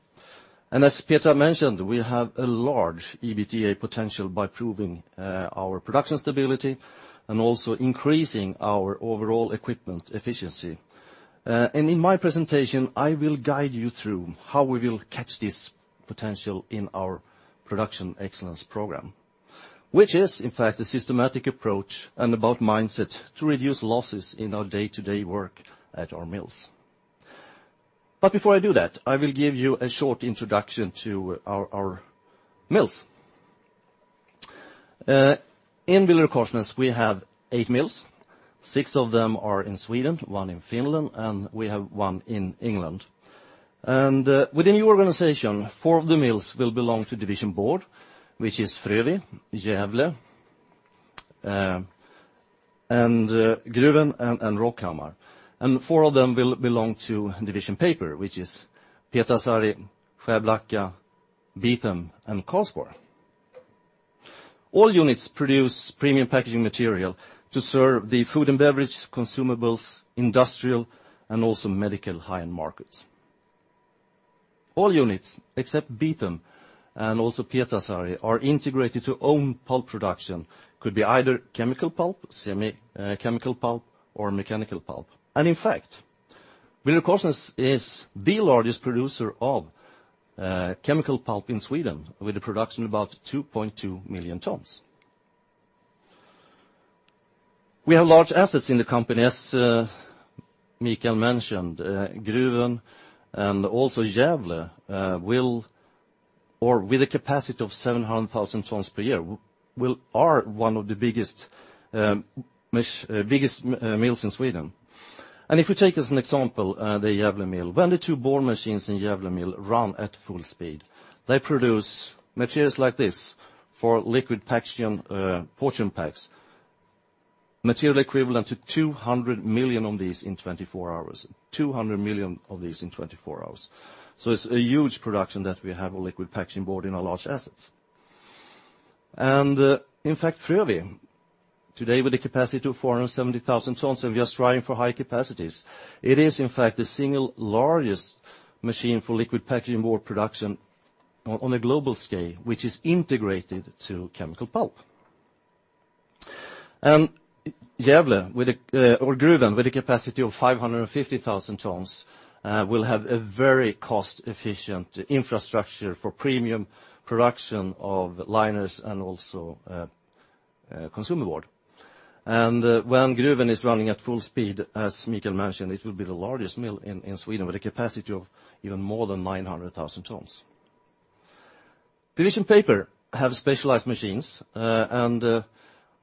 As Petra mentioned, we have a large EBITDA potential by improving our production stability and also increasing our overall equipment efficiency. In my presentation, I will guide you through how we will catch this potential in our Production Excellence Program, which is, in fact, a systematic approach and about mindset to reduce losses in our day-to-day work at our mills. Before I do that, I will give you a short introduction to our mills. In BillerudKorsnäs, we have 8 mills. 6 of them are in Sweden, 1 in Finland, and we have 1 in England. With the new organization, 4 of the mills will belong to Division Board, which is Frövi, Gävle, and Gruvön and Rockhammar. 4 of them will belong to division paper, which is Pietarsaari, Skärblacka, Beetham, and Karlsborg. All units produce premium packaging material to serve the food and beverage, consumables, industrial, and also medical high-end markets. All units except Beetham and also Pietarsaari are integrated to own pulp production. Could be either chemical pulp, semi-chemical pulp, or mechanical pulp. In fact, BillerudKorsnäs is the largest producer of chemical pulp in Sweden, with a production of about 2.2 million tons. We have large assets in the company, as Mikael mentioned, Gruvön and also Gävle, with a capacity of 700,000 tons per year, are 1 of the biggest mills in Sweden. If you take as an example, the Gävle mill. When the 2 board machines in Gävle mill run at full speed, they produce materials like this for liquid portion packs, material equivalent to 200 million of these in 24 hours. 200 million of these in 24 hours. It is a huge production that we have liquid packaging board in our large assets. In fact, Frövi, today with a capacity of 470,000 tons, and we are striving for high capacities. It is, in fact, the single largest machine for liquid packaging board production on a global scale, which is integrated to chemical pulp. Gruvön, with a capacity of 550,000 tons, will have a very cost-efficient infrastructure for premium production of liners and also consumer board. When Gruvön is running at full speed, as Mikael mentioned, it will be the largest mill in Sweden with a capacity of even more than 900,000 tons. Division Paper have specialized machines.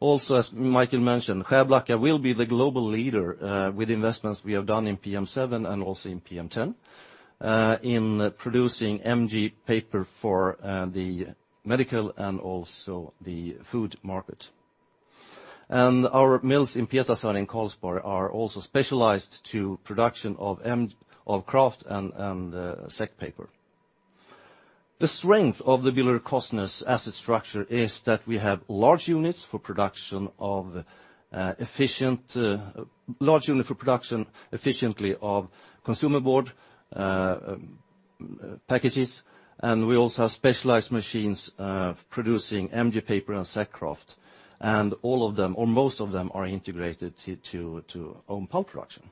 As Mikael mentioned, Skärblacka will be the global leader with investments we have done in PM7 and also in PM10, in producing MG paper for the medical and also the food market. Our mills in Pietarsaari and Karlsborg are also specialized to production of kraft and sack paper. The strength of the BillerudKorsnäs asset structure is that we have large units for production efficiently of consumer board packages, and we also have specialized machines producing MG paper and sack kraft, and all of them, or most of them, are integrated to own pulp production.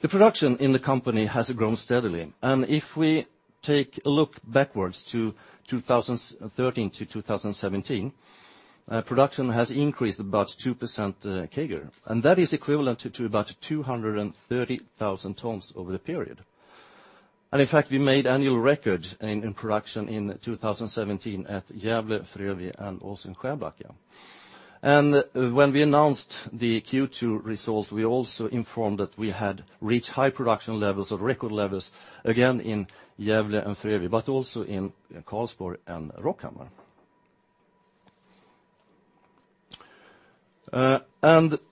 The production in the company has grown steadily, and if we take a look backwards to 2013 to 2017, production has increased about 2% CAGR, and that is equivalent to about 230,000 tons over the period. In fact, we made annual records in production in 2017 at Gävle, Frövi, and also in Skärblacka. When we announced the Q2 results, we also informed that we had reached high production levels or record levels, again in Gävle and Frövi, but also in Karlsborg and Rockhammar.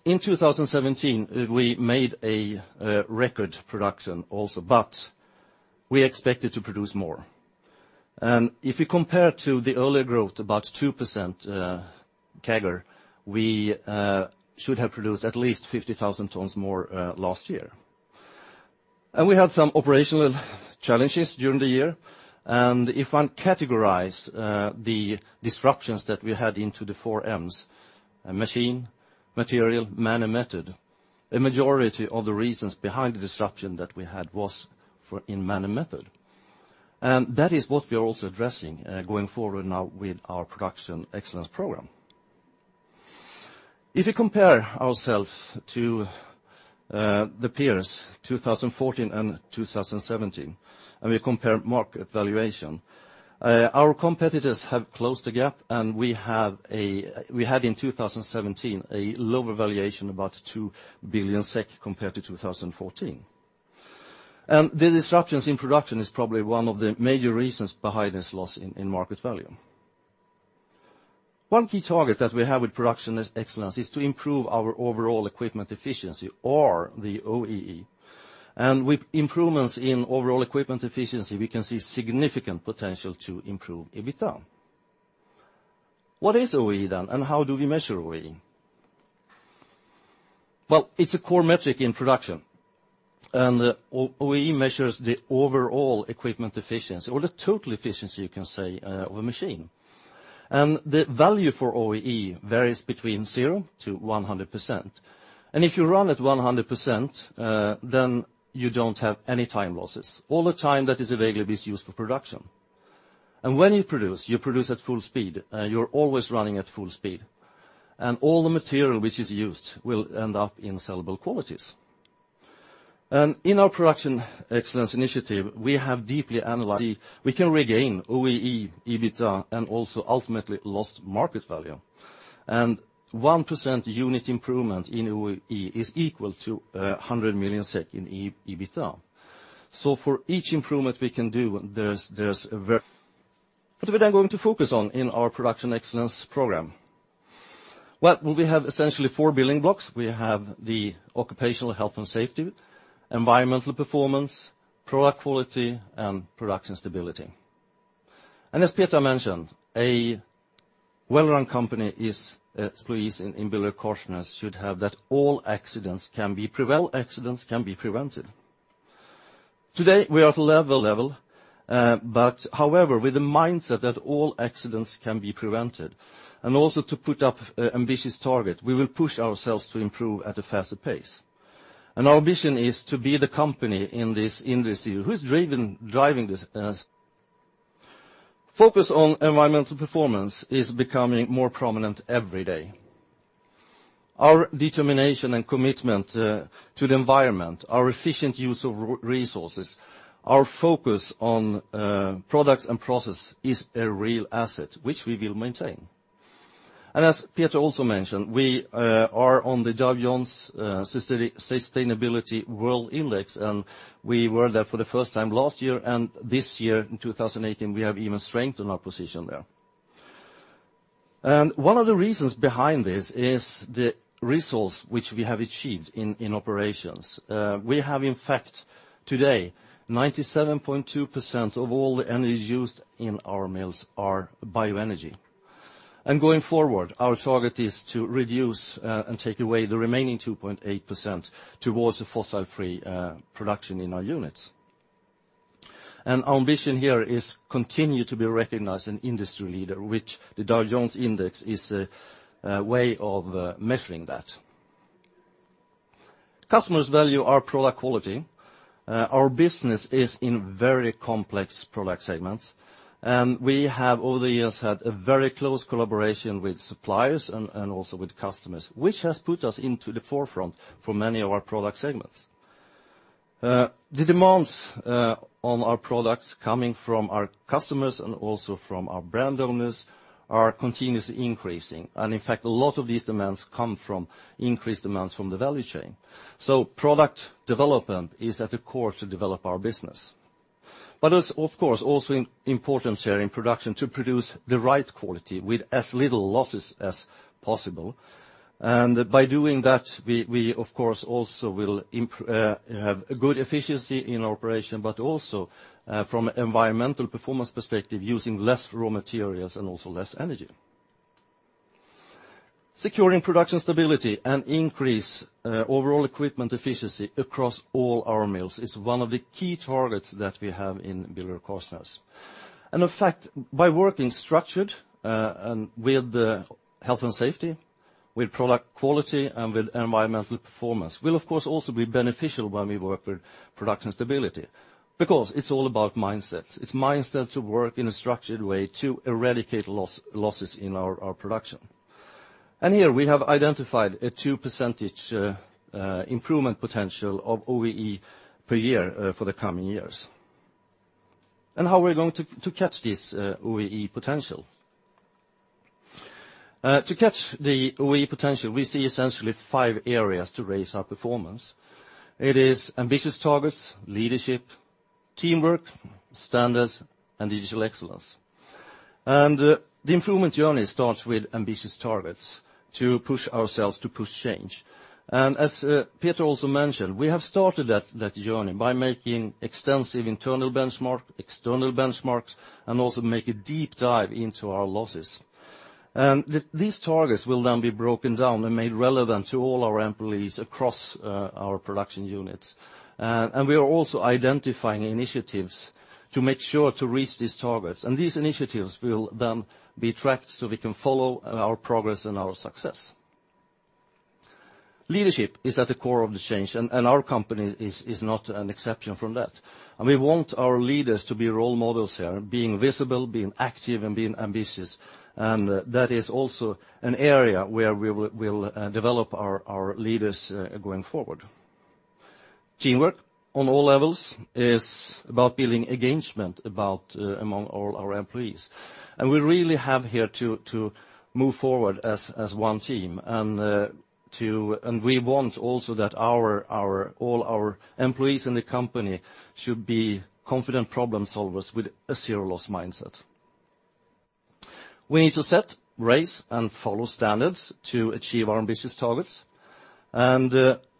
In 2017, we made a record production also, but we expected to produce more. If you compare to the earlier growth, about 2% CAGR, we should have produced at least 50,000 tons more last year. We had some operational challenges during the year. If one categorizes the disruptions that we had into the four Ms, machine, material, man, and method, a majority of the reasons behind the disruption that we had was in man and method. That is what we are also addressing going forward now with our Production Excellence Program. If we compare ourselves to the peers 2014 and 2017, and we compare market valuation, our competitors have closed the gap and we had, in 2017, a lower valuation, about 2 billion SEK compared to 2014. The disruptions in production is probably one of the major reasons behind this loss in market value. One key target that we have with production excellence is to improve our overall equipment efficiency or the OEE, and with improvements in overall equipment efficiency, we can see significant potential to improve EBITDA. What is OEE then, and how do we measure OEE? Well, it is a core metric in production, and OEE measures the overall equipment efficiency or the total efficiency, you can say, of a machine. The value for OEE varies between 0 to 100%. If you run at 100%, then you do not have any time losses. All the time that is available is used for production. When you produce, you produce at full speed, you are always running at full speed, and all the material which is used will end up in sellable qualities. In our Production Excellence Initiative, we have deeply analyzed we can regain OEE, EBITDA, and also ultimately lost market value. 1% unit improvement in OEE is equal to 100 million SEK in EBITDA. For each improvement we can do, what are we then going to focus on in our Production Excellence Program? We have essentially four building blocks. We have the occupational health and safety, environmental performance, product quality, and production stability. As Peter mentioned, employees in BillerudKorsnäs should have that all accidents can be prevented. Today, we are at level, however, with the mindset that all accidents can be prevented, also to put up ambitious target, we will push ourselves to improve at a faster pace. Our vision is to be the company in this industry who's driving this. Focus on environmental performance is becoming more prominent every day. Our determination and commitment to the environment, our efficient use of resources, our focus on products and process is a real asset, which we will maintain. As Peter also mentioned, we are on the Dow Jones Sustainability World Index, we were there for the first time last year, this year, in 2018, we have even strengthened our position there. One of the reasons behind this is the resource which we have achieved in operations. We have, in fact, today, 97.2% of all the energies used in our mills are bioenergy. Going forward, our target is to reduce, take away the remaining 2.8% towards a fossil-free production in our units. Our ambition here is continue to be recognized an industry leader, which the Dow Jones Index is a way of measuring that. Customers value our product quality. Our business is in very complex product segments. We have, over the years, had a very close collaboration with suppliers and also with customers, which has put us into the forefront for many of our product segments. The demands on our products coming from our customers and also from our brand owners are continuously increasing. In fact, a lot of these demands come from increased demands from the value chain. Product development is at the core to develop our business. But it's of course also important here in production to produce the right quality with as little losses as possible. By doing that, we of course also will have good efficiency in operation, but also from environmental performance perspective, using less raw materials and also less energy. Securing production stability and increase overall equipment efficiency across all our mills is one of the key targets that we have in BillerudKorsnäs. In fact, by working structured, with the health and safety, with product quality, and with environmental performance, will of course also be beneficial when we work with production stability. It's all about mindsets. It's mindsets to work in a structured way to eradicate losses in our production. Here we have identified a 2% improvement potential of OEE per year for the coming years. How are we going to catch this OEE potential? To catch the OEE potential, we see essentially five areas to raise our performance. It is ambitious targets, leadership, teamwork, standards, and digital excellence. The improvement journey starts with ambitious targets to push ourselves to push change. As Peter also mentioned, we have started that journey by making extensive internal benchmark, external benchmarks, also make a deep dive into our losses. These targets will be broken down and made relevant to all our employees across our production units. We are also identifying initiatives to make sure to reach these targets, these initiatives will be tracked so we can follow our progress and our success. Leadership is at the core of the change. Our company is not an exception from that. We want our leaders to be role models here, being visible, being active, and being ambitious. That is also an area where we will develop our leaders going forward. Teamwork on all levels is about building engagement among all our employees. We really have here to move forward as one team, we want also that all our employees in the company should be confident problem-solvers with a zero loss mindset. We need to set, raise, and follow standards to achieve our ambitious targets.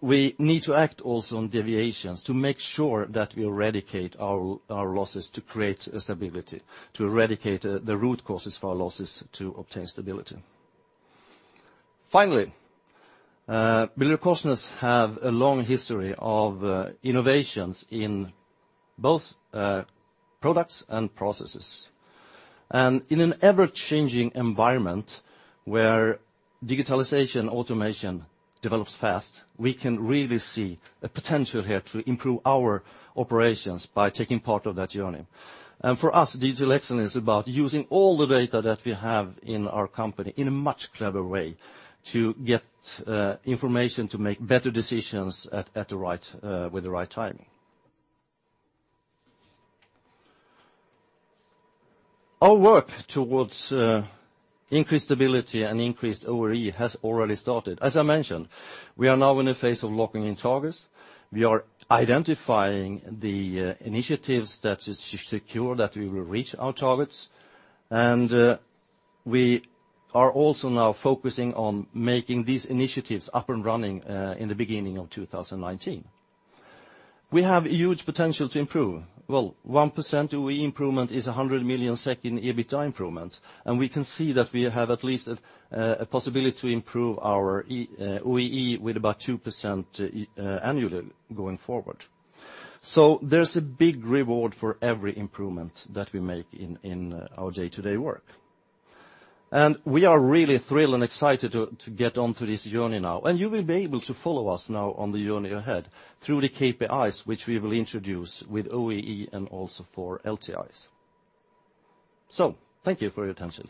We need to act also on deviations to make sure that we eradicate our losses to create stability, to eradicate the root causes for our losses to obtain stability. Finally, BillerudKorsnäs have a long history of innovations in both products and processes. In an ever-changing environment where digitalization automation develops fast, we can really see a potential here to improve our operations by taking part of that journey. For us, digital excellence is about using all the data that we have in our company in a much clever way to get information to make better decisions with the right timing. Our work towards increased stability and increased OEE has already started. As I mentioned, we are now in a phase of locking in targets. We are identifying the initiatives that is secure that we will reach our targets, we are also now focusing on making these initiatives up and running in the beginning of 2019. We have huge potential to improve. Well, 1% OEE improvement is 100 million SEK in EBITDA improvement, we can see that we have at least a possibility to improve our OEE with about 2% annually going forward. There's a big reward for every improvement that we make in our day-to-day work. We are really thrilled and excited to get onto this journey now. You will be able to follow us now on the journey ahead through the KPIs, which we will introduce with OEE and also for LTIs. Thank you for your attention.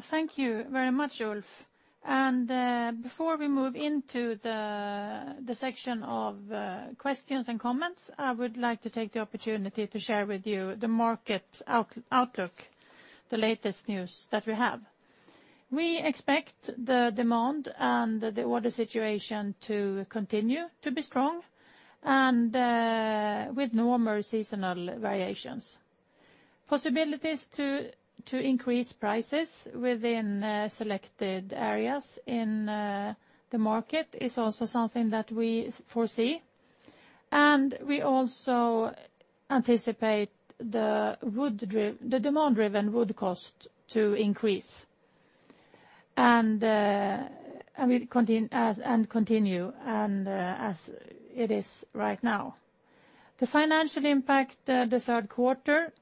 Thank you very much, Ulf. Before we move into the section of questions and comments, I would like to take the opportunity to share with you the market outlook, the latest news that we have. We expect the demand and the order situation to continue to be strong and with normal seasonal variations. Possibilities to increase prices within selected areas in the market is also something that we foresee, and we also anticipate the demand-driven wood cost to increase and continue as it is right now. The financial impact the third quarter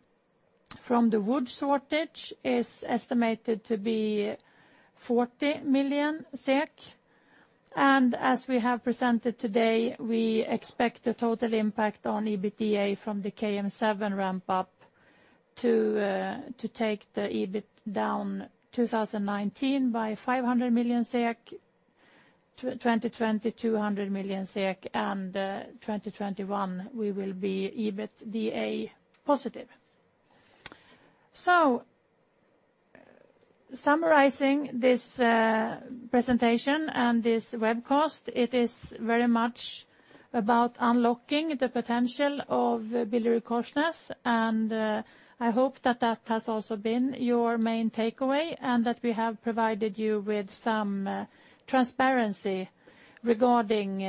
from the wood shortage is estimated to be 40 million SEK, As we have presented today, we expect the total impact on EBITDA from the KM7 ramp-up to take the EBIT down 2019 by 500 million SEK, 2020, 200 million SEK, and 2021, we will be EBITDA positive. Summarizing this presentation and this webcast, it is very much about unlocking the potential of BillerudKorsnäs, I hope that that has also been your main takeaway and that we have provided you with some transparency regarding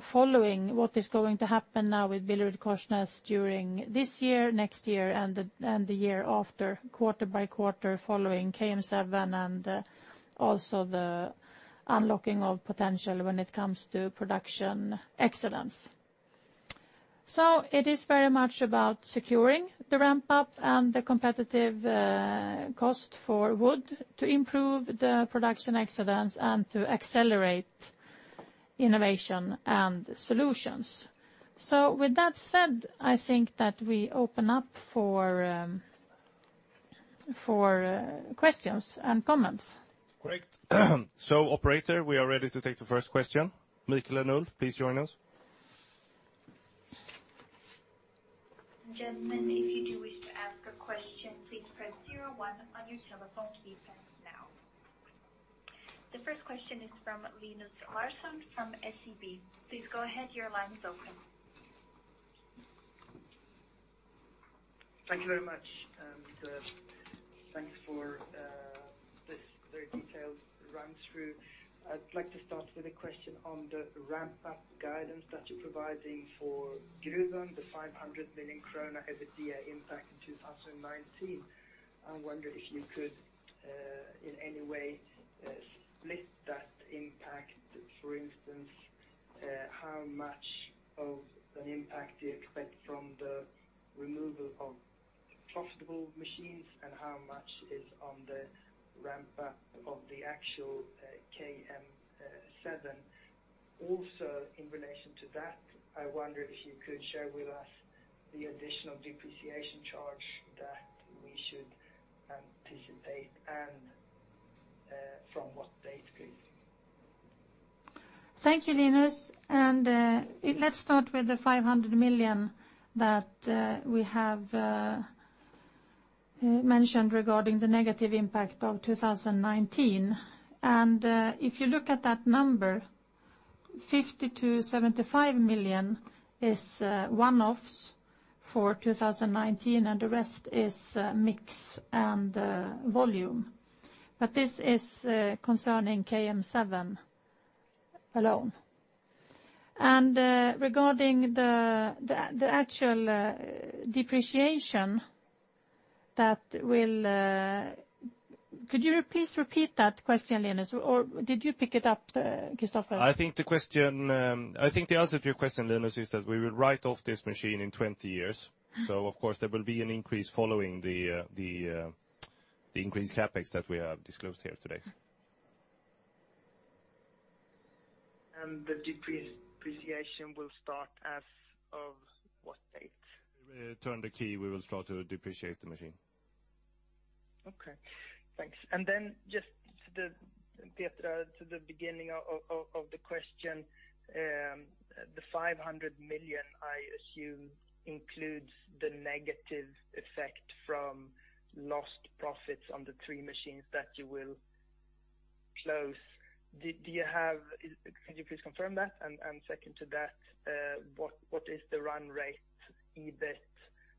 following what is going to happen now with BillerudKorsnäs during this year, next year, and the year after, quarter by quarter, following KM7 and also the unlocking of potential when it comes to Production Excellence. It is very much about securing the ramp-up and the competitive cost for wood to improve the Production Excellence and to accelerate innovation and solutions. With that said, I think that we open up for questions and comments. Great. Operator, we are ready to take the first question. Mikael and Ulf, please join us. Gentlemen, if you do wish to ask a question, please press 01 on your telephone keypad now. The first question is from Linus Larsson of SEB. Please go ahead, your line is open. Thank you very much. Thanks for this very detailed run-through. I'd like to start with a question on the ramp-up guidance that you're providing for Gruvön, the 500 million krona EBITDA impact in 2019. I wonder if you could, in any way, split that impact. For instance, how much of an impact do you expect from the removal of profitable machines, and how much is on the ramp-up of the actual KM7? Also, in relation to that, I wondered if you could share with us the additional depreciation charge that we should anticipate, and from what date please. Thank you, Linus. Let's start with the 500 million that we have mentioned regarding the negative impact of 2019. If you look at that number, 50 million-75 million is one-offs for 2019, the rest is mix and volume. This is concerning KM7 alone. Regarding the actual depreciation. Could you please repeat that question, Linus? Or did you pick it up, Kristoffer? I think the answer to your question, Linus, is that we will write off this machine in 20 years. Of course there will be an increase following the increased CapEx that we have disclosed here today. The depreciation will start as of what date? We turn the key, we will start to depreciate the machine. Okay. Thanks. Just, Petra, to the beginning of the question, the 500 million, I assume, includes the negative effect from lost profits on the three machines that you will close. Could you please confirm that? Second to that, what is the run rate EBIT,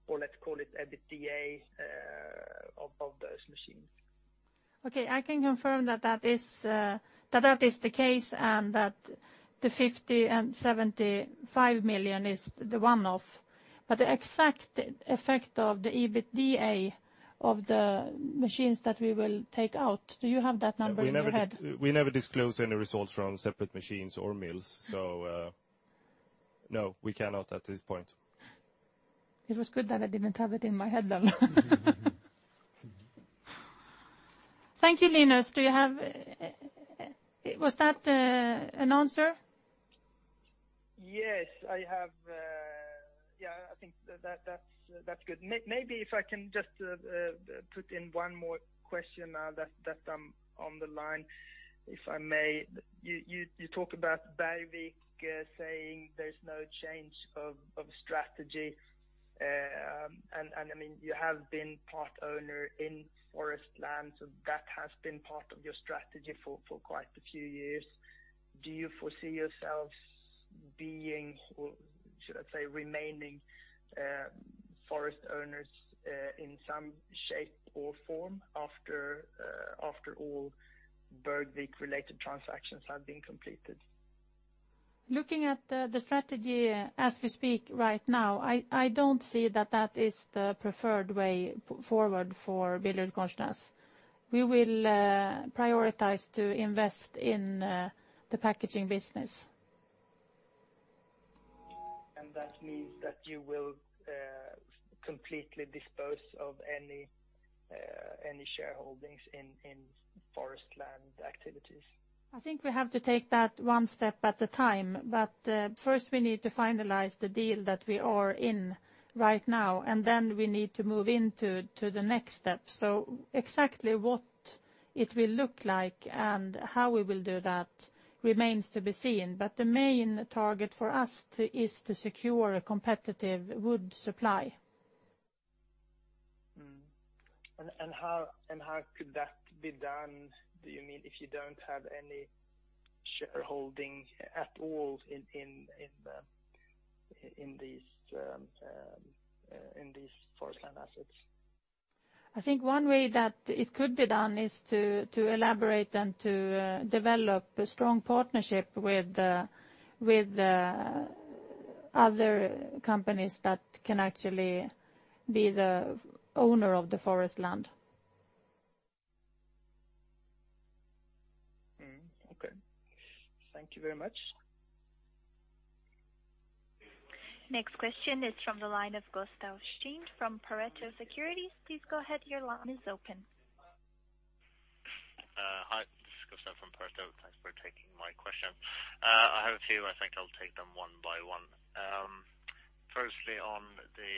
or let's call it EBITDA, of those machines? Okay. I can confirm that that is the case, and that the 50 million and 75 million is the one-off, but the exact effect of the EBITDA of the machines that we will take out, do you have that number in your head? We never disclose any results from separate machines or mills. No, we cannot at this point. It was good that I didn't have it in my head then. Thank you, Linus. Was that an answer? Yes. I think that's good. Maybe if I can just put in one more question now that I'm on the line, if I may. You talk about Bergvik saying there's no change of strategy. You have been part owner in forest land, so that has been part of your strategy for quite a few years. Do you foresee yourselves being, or should I say, remaining forest owners in some shape or form after all Bergvik-related transactions have been completed? Looking at the strategy as we speak right now, I don't see that that is the preferred way forward for BillerudKorsnäs. We will prioritize to invest in the packaging business. That means that you will completely dispose of any shareholdings in forest land activities? I think we have to take that one step at a time. First we need to finalize the deal that we are in right now, then we need to move into the next step. Exactly what it will look like and how we will do that remains to be seen. The main target for us is to secure a competitive wood supply. How could that be done, do you mean, if you don't have any shareholding at all in these forest land assets? I think one way that it could be done is to elaborate and to develop a strong partnership with other companies that can actually be the owner of the forest land. Okay. Thank you very much. Next question is from the line of Gustav Steen from Pareto Securities. Please go ahead, your line is open. A few, I think I'll take them one by one. Firstly, on the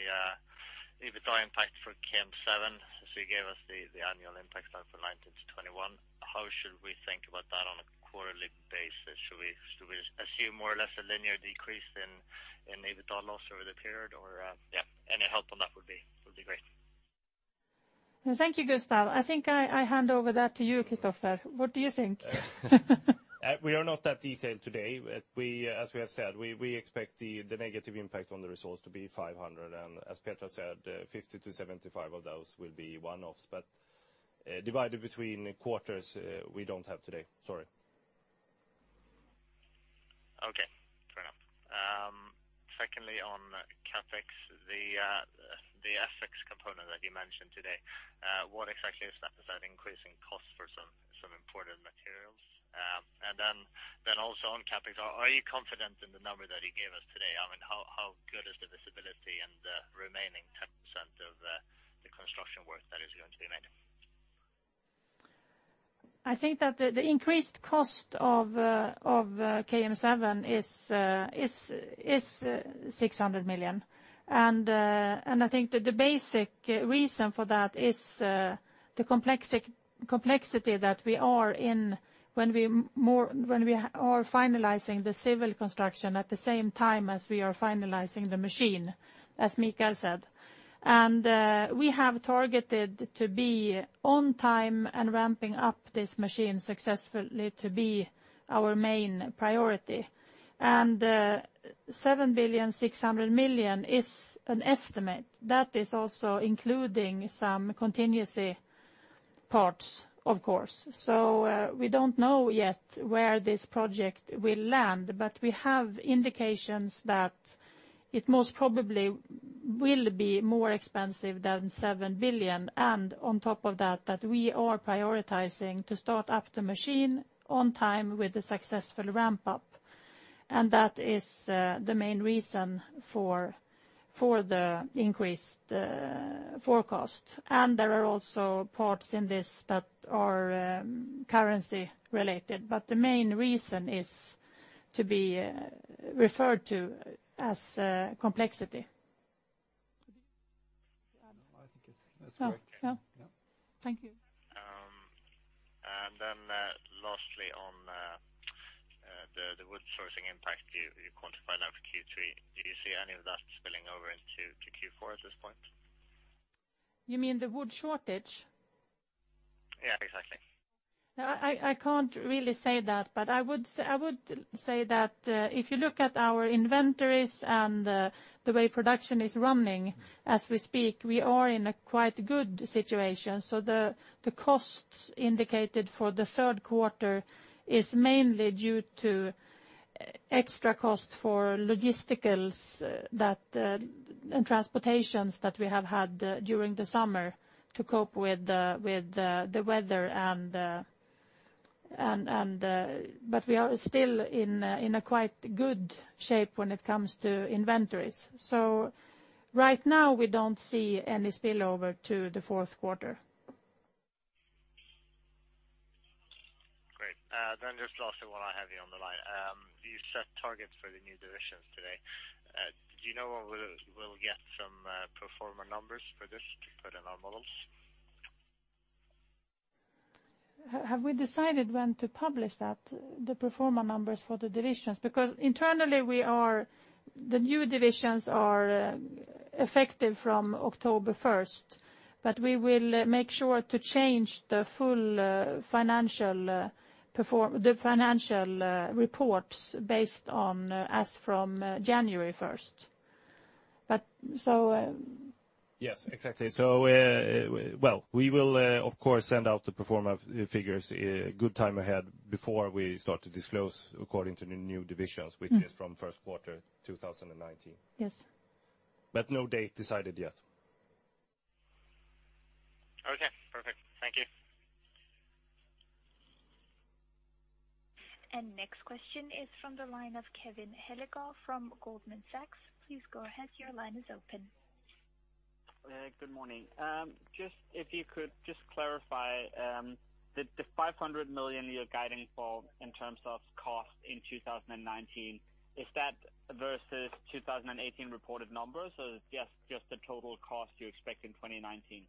EBITDA impact for KM7, since you gave us the annual impact time for 2019 to 2021, how should we think about that on a quarterly basis? Should we assume more or less a linear decrease in EBITDA loss over the period? Any help on that would be great. Thank you, Gustav. I think I hand over that to you, Kristoffer. What do you think? We are not that detailed today. As we have said, we expect the negative impact on the results to be 500. As Petra said, 50-75 of those will be one-offs, but divided between quarters, we don't have today. Sorry. Okay, fair enough. Secondly, on CapEx, the ethics component that you mentioned today, what exactly is that? Is that increasing cost for some important materials? Then also on CapEx, are you confident in the number that you gave us today? How good is the visibility and the remaining 10% of the construction work that is going to be made? I think that the increased cost of KM7 is 600 million. I think that the basic reason for that is the complexity that we are in when we are finalizing the civil construction at the same time as we are finalizing the machine, as Mikael said. We have targeted to be on time and ramping up this machine successfully to be our main priority. 7 billion, 600 million is an estimate. That is also including some contingency parts, of course. We don't know yet where this project will land, but we have indications that it most probably will be more expensive than 7 billion. On top of that we are prioritizing to start up the machine on time with the successful ramp-up. That is the main reason for the increased forecast. There are also parts in this that are currency related, the main reason is to be referred to as complexity. I think that's correct. Yeah. Thank you. Lastly, on the wood sourcing impact, you quantified that for Q3. Do you see any of that spilling over into Q4 at this point? You mean the wood shortage? Yeah, exactly. No, I can't really say that, but I would say that if you look at our inventories and the way production is running as we speak, we are in a quite good situation. The costs indicated for the third quarter is mainly due to extra cost for logisticals and transportations that we have had during the summer to cope with the weather. We are still in a quite good shape when it comes to inventories. Right now, we don't see any spillover to the fourth quarter. Great. Just lastly, while I have you on the line, you set targets for the new divisions today. Do you know when we'll get some pro forma numbers for this to put in our models? Have we decided when to publish that, the pro forma numbers for the divisions? Internally, the new divisions are effective from October 1st, but we will make sure to change the full financial reports based on as from January 1st. Yes, exactly. We will, of course, send out the pro forma figures a good time ahead before we start to disclose according to the new divisions, which is from first quarter 2019. Yes. No date decided yet. Okay, perfect. Thank you. Next question is from the line of Cole Hathorn from Goldman Sachs. Please go ahead, your line is open. Good morning. If you could just clarify, the 500 million you're guiding for in terms of cost in 2019, is that versus 2018 reported numbers or just the total cost you expect in 2019?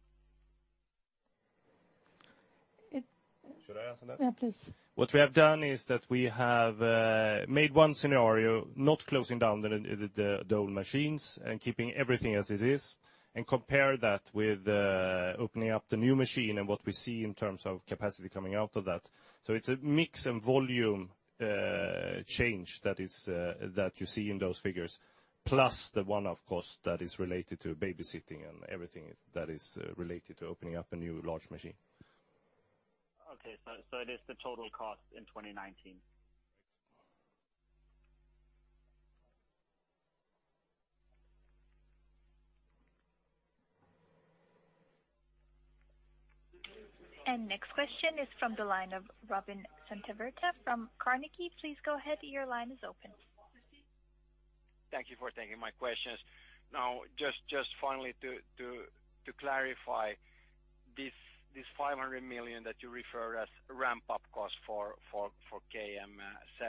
Should I answer that? Yeah, please. What we have done is that we have made one scenario, not closing down the old machines and keeping everything as it is, and compare that with opening up the new machine and what we see in terms of capacity coming out of that. It's a mix and volume change that you see in those figures, plus the one-off cost that is related to babysitting and everything that is related to opening up a new large machine. It is the total cost in 2019. Yes. Next question is from the line of Robin Santavirta from Carnegie. Please go ahead, your line is open Thank you for taking my questions. Just finally to clarify this 500 million that you refer as ramp-up cost for KM7,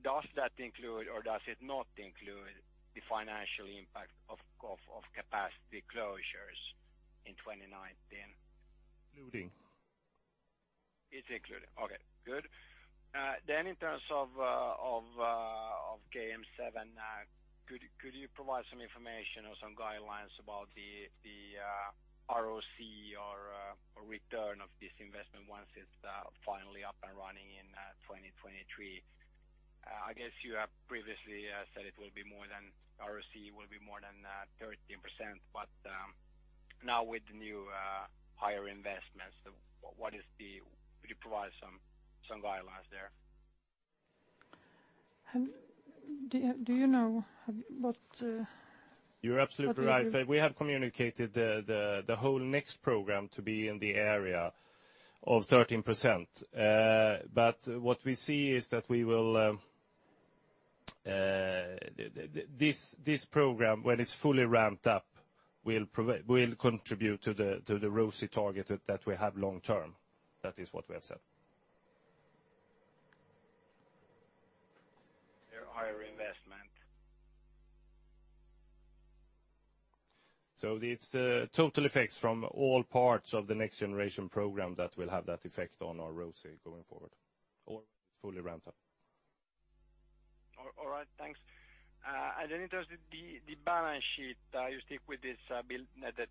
does that include or does it not include the financial impact of capacity closures in 2019? Including. It's included. Okay, good. In terms of KM7, could you provide some information or some guidelines about the ROC or return of this investment once it's finally up and running in 2023? I guess you have previously said ROC will be more than 13%, now with the new higher investments, could you provide some guidelines there? Do you know what- You're absolutely right. We have communicated the whole Next Generation program to be in the area of 13%. What we see is that this program, when it's fully ramped up, will contribute to the ROCE target that we have long term. That is what we have said. Your higher investment. It's total effects from all parts of the Next Generation program that will have that effect on our ROCE going forward, or when it's fully ramped up. All right, thanks. Then in terms of the balance sheet, you stick with this EBITDA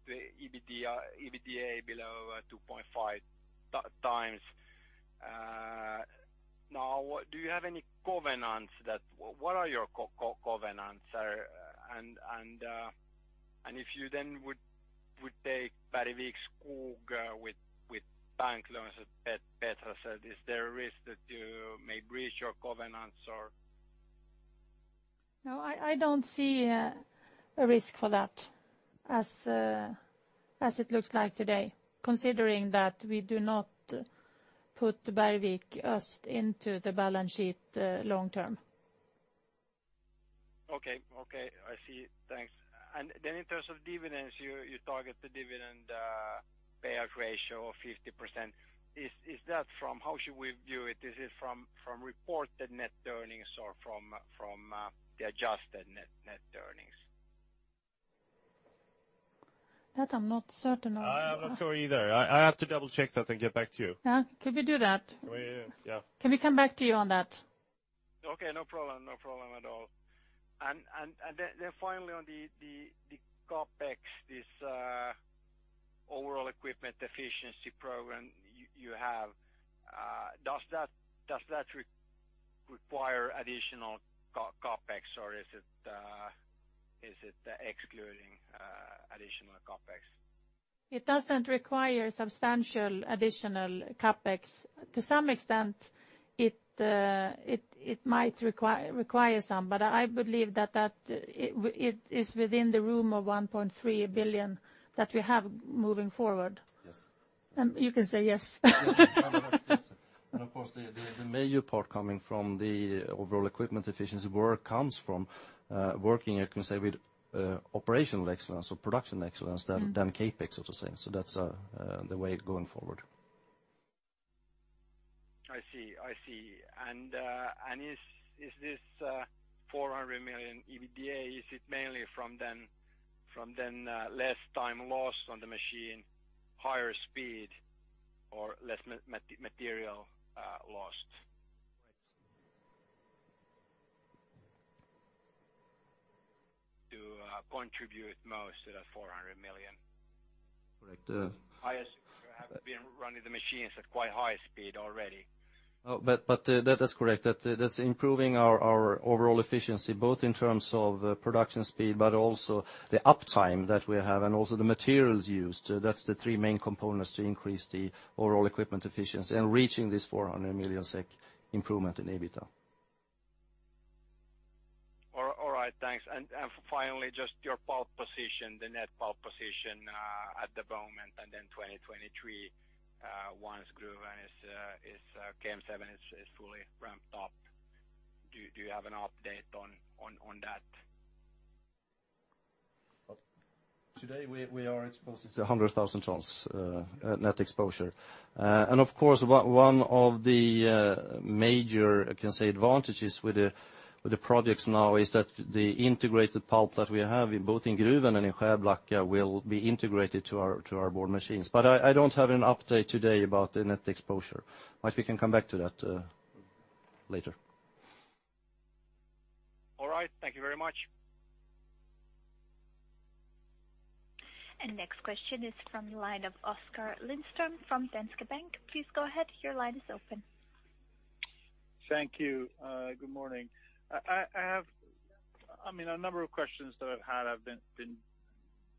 below 2.5 times. Do you have any covenants? What are your covenants? If you then would take Bergvik Skog with bank loans, as Petra said, is there a risk that you may breach your covenants or? No, I don't see a risk for that, as it looks like today, considering that we do not put Bergvik into the balance sheet long term. Okay. I see. Thanks. In terms of dividends, you target the dividend payout ratio of 50%. How should we view it? Is it from reported net earnings or from the adjusted net earnings? That I'm not certain of. I'm not sure either. I have to double-check that and get back to you. Yeah. Could we do that? Yeah. Can we come back to you on that? Okay, no problem at all. Finally on the CapEx, this overall equipment efficiency program you have, does that require additional CapEx, or is it excluding additional CapEx? It doesn't require substantial additional CapEx. To some extent, it might require some, but I believe that it is within the room of 1.3 billion that we have moving forward. Yes. You can say yes. Of course, the major part coming from the overall equipment efficiency work comes from working, you can say, with operational excellence or Production Excellence Program than CapEx, so to say. That's the way going forward. I see. Is this 400 million EBITDA, is it mainly from then less time lost on the machine, higher speed, or less material lost? Right. To contribute most to that 400 million. Correct. I assume you have been running the machines at quite high speed already. That is improving our overall efficiency, both in terms of production speed, also the uptime that we have and also the materials used. That is the three main components to increase the overall equipment efficiency and reaching this 400 million SEK improvement in EBITDA. All right, thanks. Finally, just your pulp position, the net pulp position, at the moment, then 2023, once Gruvön and KM7 is fully ramped up. Do you have an update on that? Today, we are exposed to 100,000 tons net exposure. Of course, one of the major, I can say, advantages with the projects now is that the integrated pulp that we have, both in Gruvön and in Skärblacka, will be integrated to our board machines. I don't have an update today about the net exposure. We can come back to that later. All right. Thank you very much. Next question is from the line of Oskar Lindström from Danske Bank. Please go ahead, your line is open. Thank you. Good morning. A number of questions that I've had have been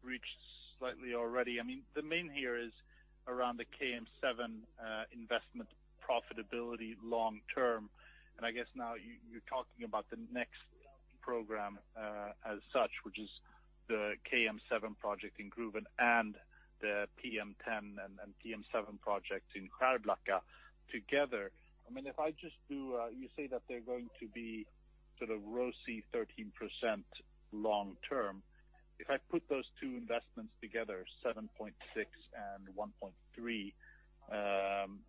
reached slightly already. The main here is around the KM7 investment profitability long term, and I guess now you're talking about the next program, as such, which is the KM7 project in Gruvön and the PM10 and PM7 projects in Skärblacka together. You say that they're going to be ROCE 13% long term. If I put those two investments together, 7.6 and 1.3,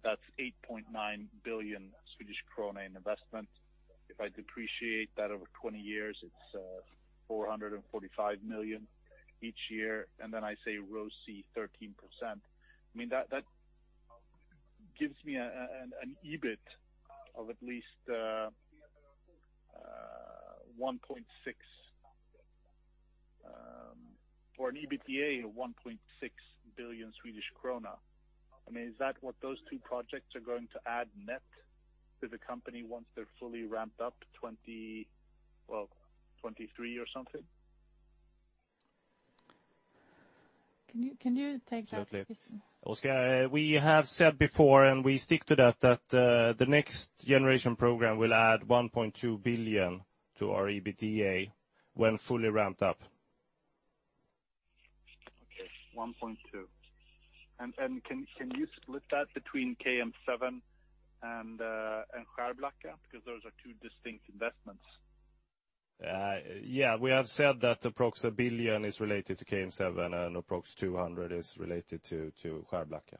that's 8.9 billion Swedish krona in investment. If I depreciate that over 20 years, it's 445 million each year, and then I say ROCE 13%. That gives me an EBIT of at least SEK 1.6 billion, or an EBITDA of 1.6 billion Swedish krona. Is that what those two projects are going to add net to the company once they're fully ramped up 2023 or something? Can you take that, Kristoffer? Absolutely. Oskar, we have said before, we stick to that the Next Generation program will add 1.2 billion to our EBITDA when fully ramped up. Okay, 1.2 billion. Can you split that between KM7 and Skärblacka? Because those are two distinct investments. Yeah. We have said that approximately 1 billion is related to KM7 and approximately 200 million is related to Skärblacka.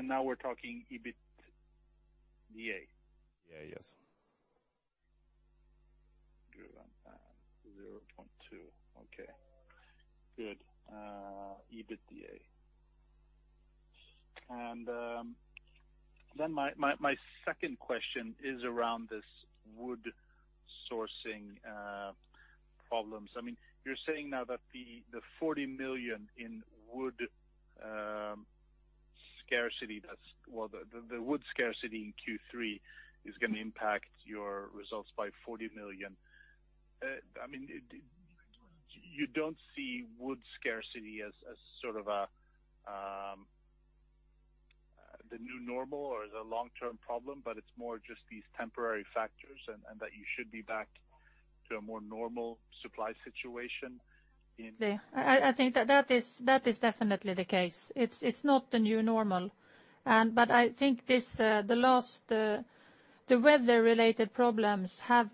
Now we're talking EBITDA? Yes. Gruvön and SEK 0.2. Okay, good. EBITDA. My second question is around this wood sourcing problems. You're saying now that the 40 million in wood scarcity, well, the wood scarcity in Q3 is going to impact your results by 40 million. You don't see wood scarcity as the new normal or the long-term problem, but it's more just these temporary factors, and that you should be back to a more normal supply situation in- I think that is definitely the case. It's not the new normal. I think the weather-related problems have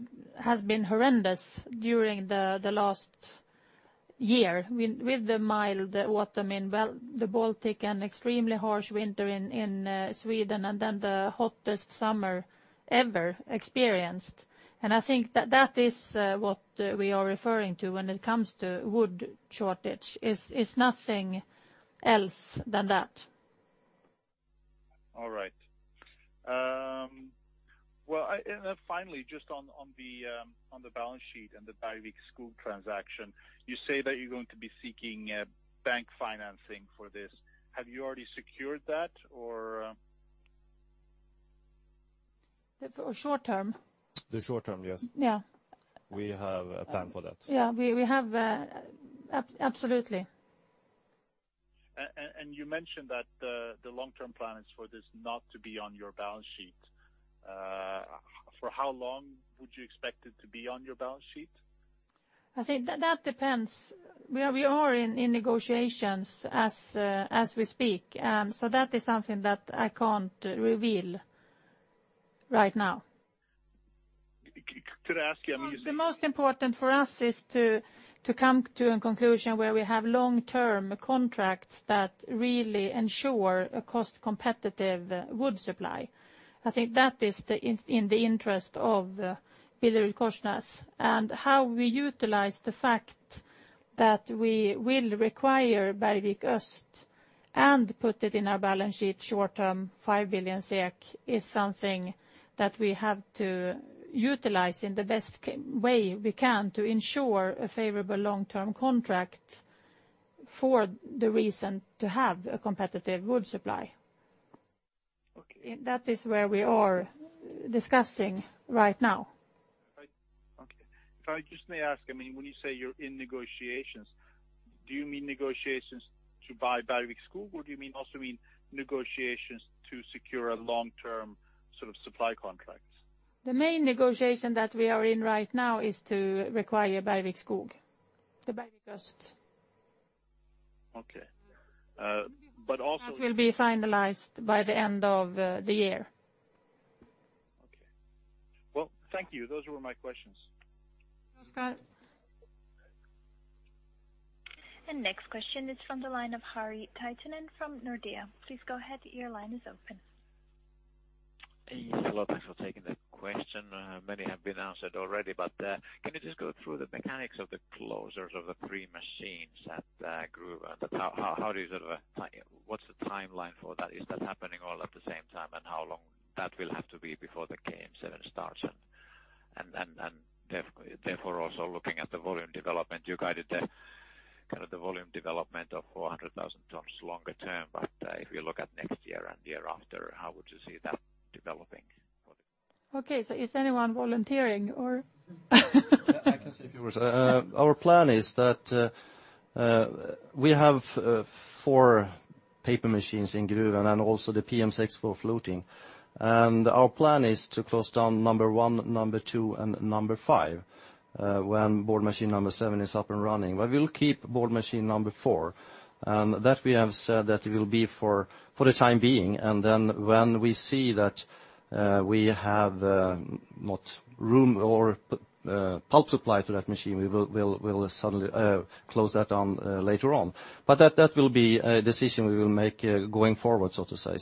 been horrendous during the last year, with the mild autumn in the Baltic, and extremely harsh winter in Sweden, then the hottest summer ever experienced. I think that is what we are referring to when it comes to wood shortage. It's nothing else than that. All right. Well, finally, just on the balance sheet and the Bergvik Skog transaction. You say that you're going to be seeking bank financing for this. Have you already secured that, or? For short term? The short term, yes. Yeah. We have a plan for that. Yeah. We have, absolutely. You mentioned that the long-term plan is for this not to be on your balance sheet. For how long would you expect it to be on your balance sheet? I think that depends. We are in negotiations as we speak. That is something that I can't reveal right now. Could I ask you, I mean. The most important for us is to come to a conclusion where we have long-term contracts that really ensure a cost-competitive wood supply. I think that is in the interest of BillerudKorsnäs. How we utilize the fact that we will require Bergvik Öst and put it in our balance sheet short-term, 5 billion SEK, is something that we have to utilize in the best way we can to ensure a favorable long-term contract for the reason to have a competitive wood supply. Okay. That is where we are discussing right now. Okay. If I just may ask, when you say you are in negotiations, do you mean negotiations to buy Bergvik Skog, or do you also mean negotiations to secure a long-term supply contract? The main negotiation that we are in right now is to acquire Bergvik Skog, the Bergvik Öst. Okay. Also- That will be finalized by the end of the year. Okay. Well, thank you. Those were my questions. Oskar. Next question is from the line of Harri Taittonen from Nordea. Please go ahead, your line is open. Hello, thanks for taking the question. Many have been answered already. Can you just go through the mechanics of the closures of the three machines at Gruvön? What's the timeline for that? Is that happening all at the same time, and how long that will have to be before the KM7 starts? Therefore also looking at the volume development, you guided the volume development of 400,000 tons longer term. If we look at next year and year after, how would you see that developing? Okay. Is anyone volunteering, or? I can say a few words. Our plan is that we have four paper machines in Gruvön and also the PM6 for fluting. Our plan is to close down number 1, number 2, and number 5 when board machine number 7 is up and running. We'll keep board machine number 4. That we have said that it will be for the time being, and then when we see that we have not room or pulp supply to that machine, we'll suddenly close that down later on. That will be a decision we will make going forward, so to say.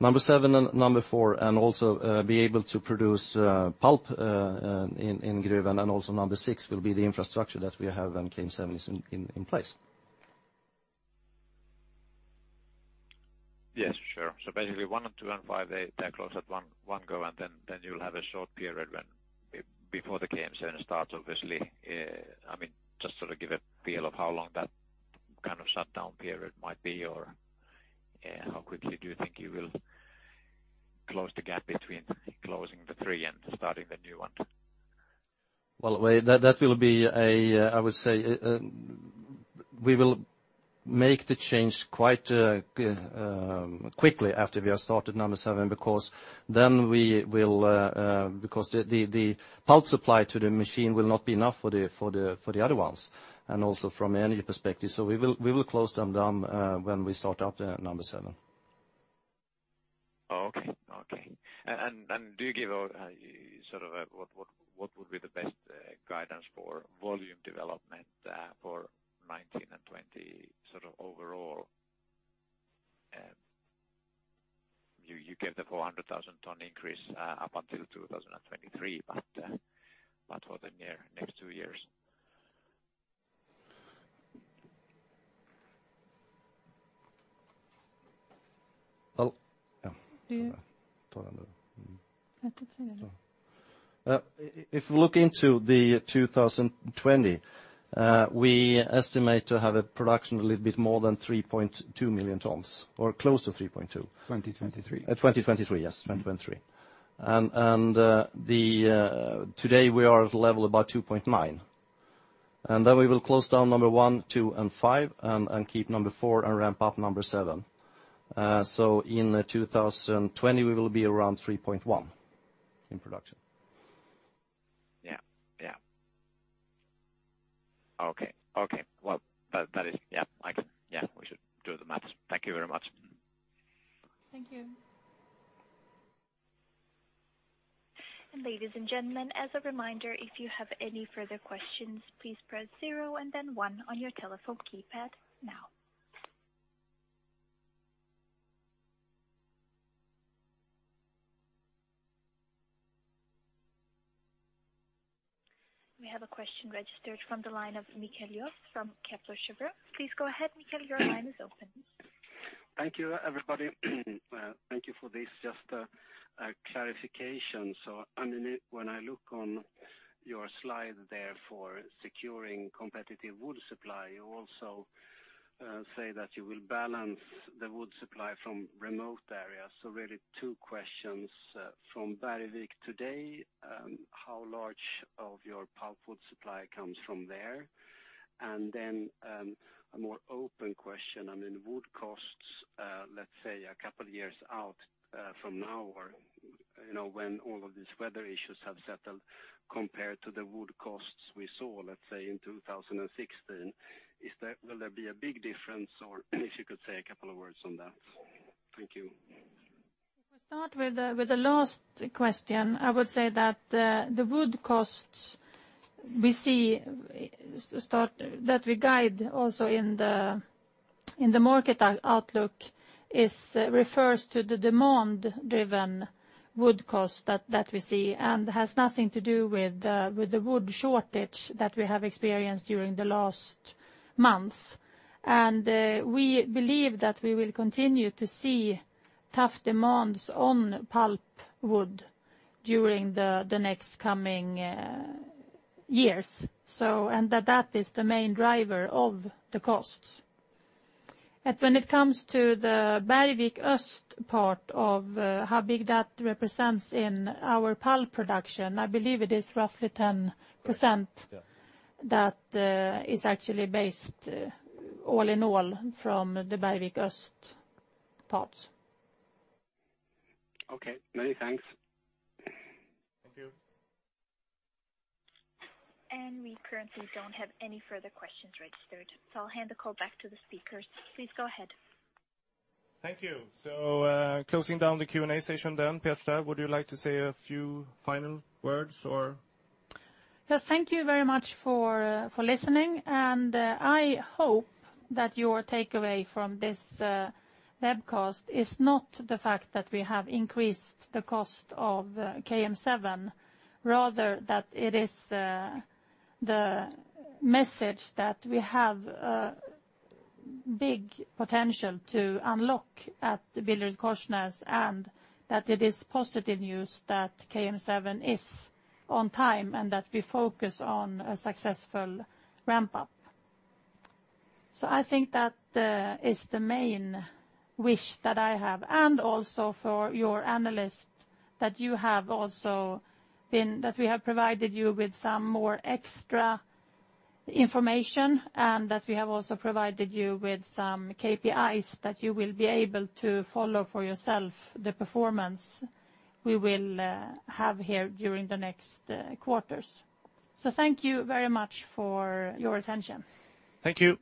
Number 7 and number 4, and also be able to produce pulp in Gruvön, and also number 6 will be the infrastructure that we have when KM7 is in place. Yes, sure. Basically 1 and 2 and 5, they close at 1 go, and then you'll have a short period when before the KM7 starts, obviously. Just to give a feel of how long that kind of shutdown period might be, or how quickly do you think you will close the gap between closing the 3 and starting the new 1? Well, that will be, I would say, we will make the change quite quickly after we have started number 7, because the pulp supply to the machine will not be enough for the other ones, and also from an energy perspective. We will close them down when we start up number 7. Do you give what would be the best guidance for volume development for 2019 and 2020 overall? You gave the 400,000 tons increase up until 2023, what for the next two years? If you look into the 2020, we estimate to have a production a little bit more than 3.2 million tons or close to 3.2 million tons. 2023. 2023, yes. 2023. Today we are at a level about 2.9 million tons, we will close down number 1, 2, and 5, keep number 4 and ramp up number 7. In 2020, we will be around 3.1 million tons in production. Okay. We should do the maths. Thank you very much. Thank you. Ladies and gentlemen, as a reminder, if you have any further questions, please press zero and then one on your telephone keypad now. We have a question registered from the line of Mikael from Kepler Cheuvreux. Please go ahead, Mikael, your line is open. Thank you, everybody. Thank you for this. Just a clarification. When I look on your slide there for securing competitive wood supply, you also say that you will balance the wood supply from remote areas. Really two questions. From Bergvik today, how large of your pulpwood supply comes from there? Then, a more open question. Wood costs, let's say a couple of years out from now, or when all of these weather issues have settled compared to the wood costs we saw, let's say, in 2016, will there be a big difference, or if you could say a couple of words on that. Thank you. To start with the last question, I would say that the wood costs that we guide also in the market outlook refers to the demand-driven wood cost that we see and has nothing to do with the wood shortage that we have experienced during the last months. We believe that we will continue to see tough demands on pulpwood during the next coming years. That is the main driver of the costs. When it comes to the Bergvik Öst part of how big that represents in our pulp production, I believe it is roughly 10% that is actually based all in all from the Bergvik Öst parts. Okay, many thanks. Thank you. We currently don't have any further questions registered, so I'll hand the call back to the speakers. Please go ahead. Thank you. Closing down the Q&A session then. Petra, would you like to say a few final words, or? Yes, thank you very much for listening. I hope that your takeaway from this webcast is not the fact that we have increased the cost of KM7, rather that it is the message that we have a big potential to unlock at BillerudKorsnäs, that it is positive news that KM7 is on time, and that we focus on a successful ramp-up. I think that is the main wish that I have, and also for your analysts, that we have provided you with some more extra information and that we have also provided you with some KPIs that you will be able to follow for yourself the performance we will have here during the next quarters. Thank you very much for your attention. Thank you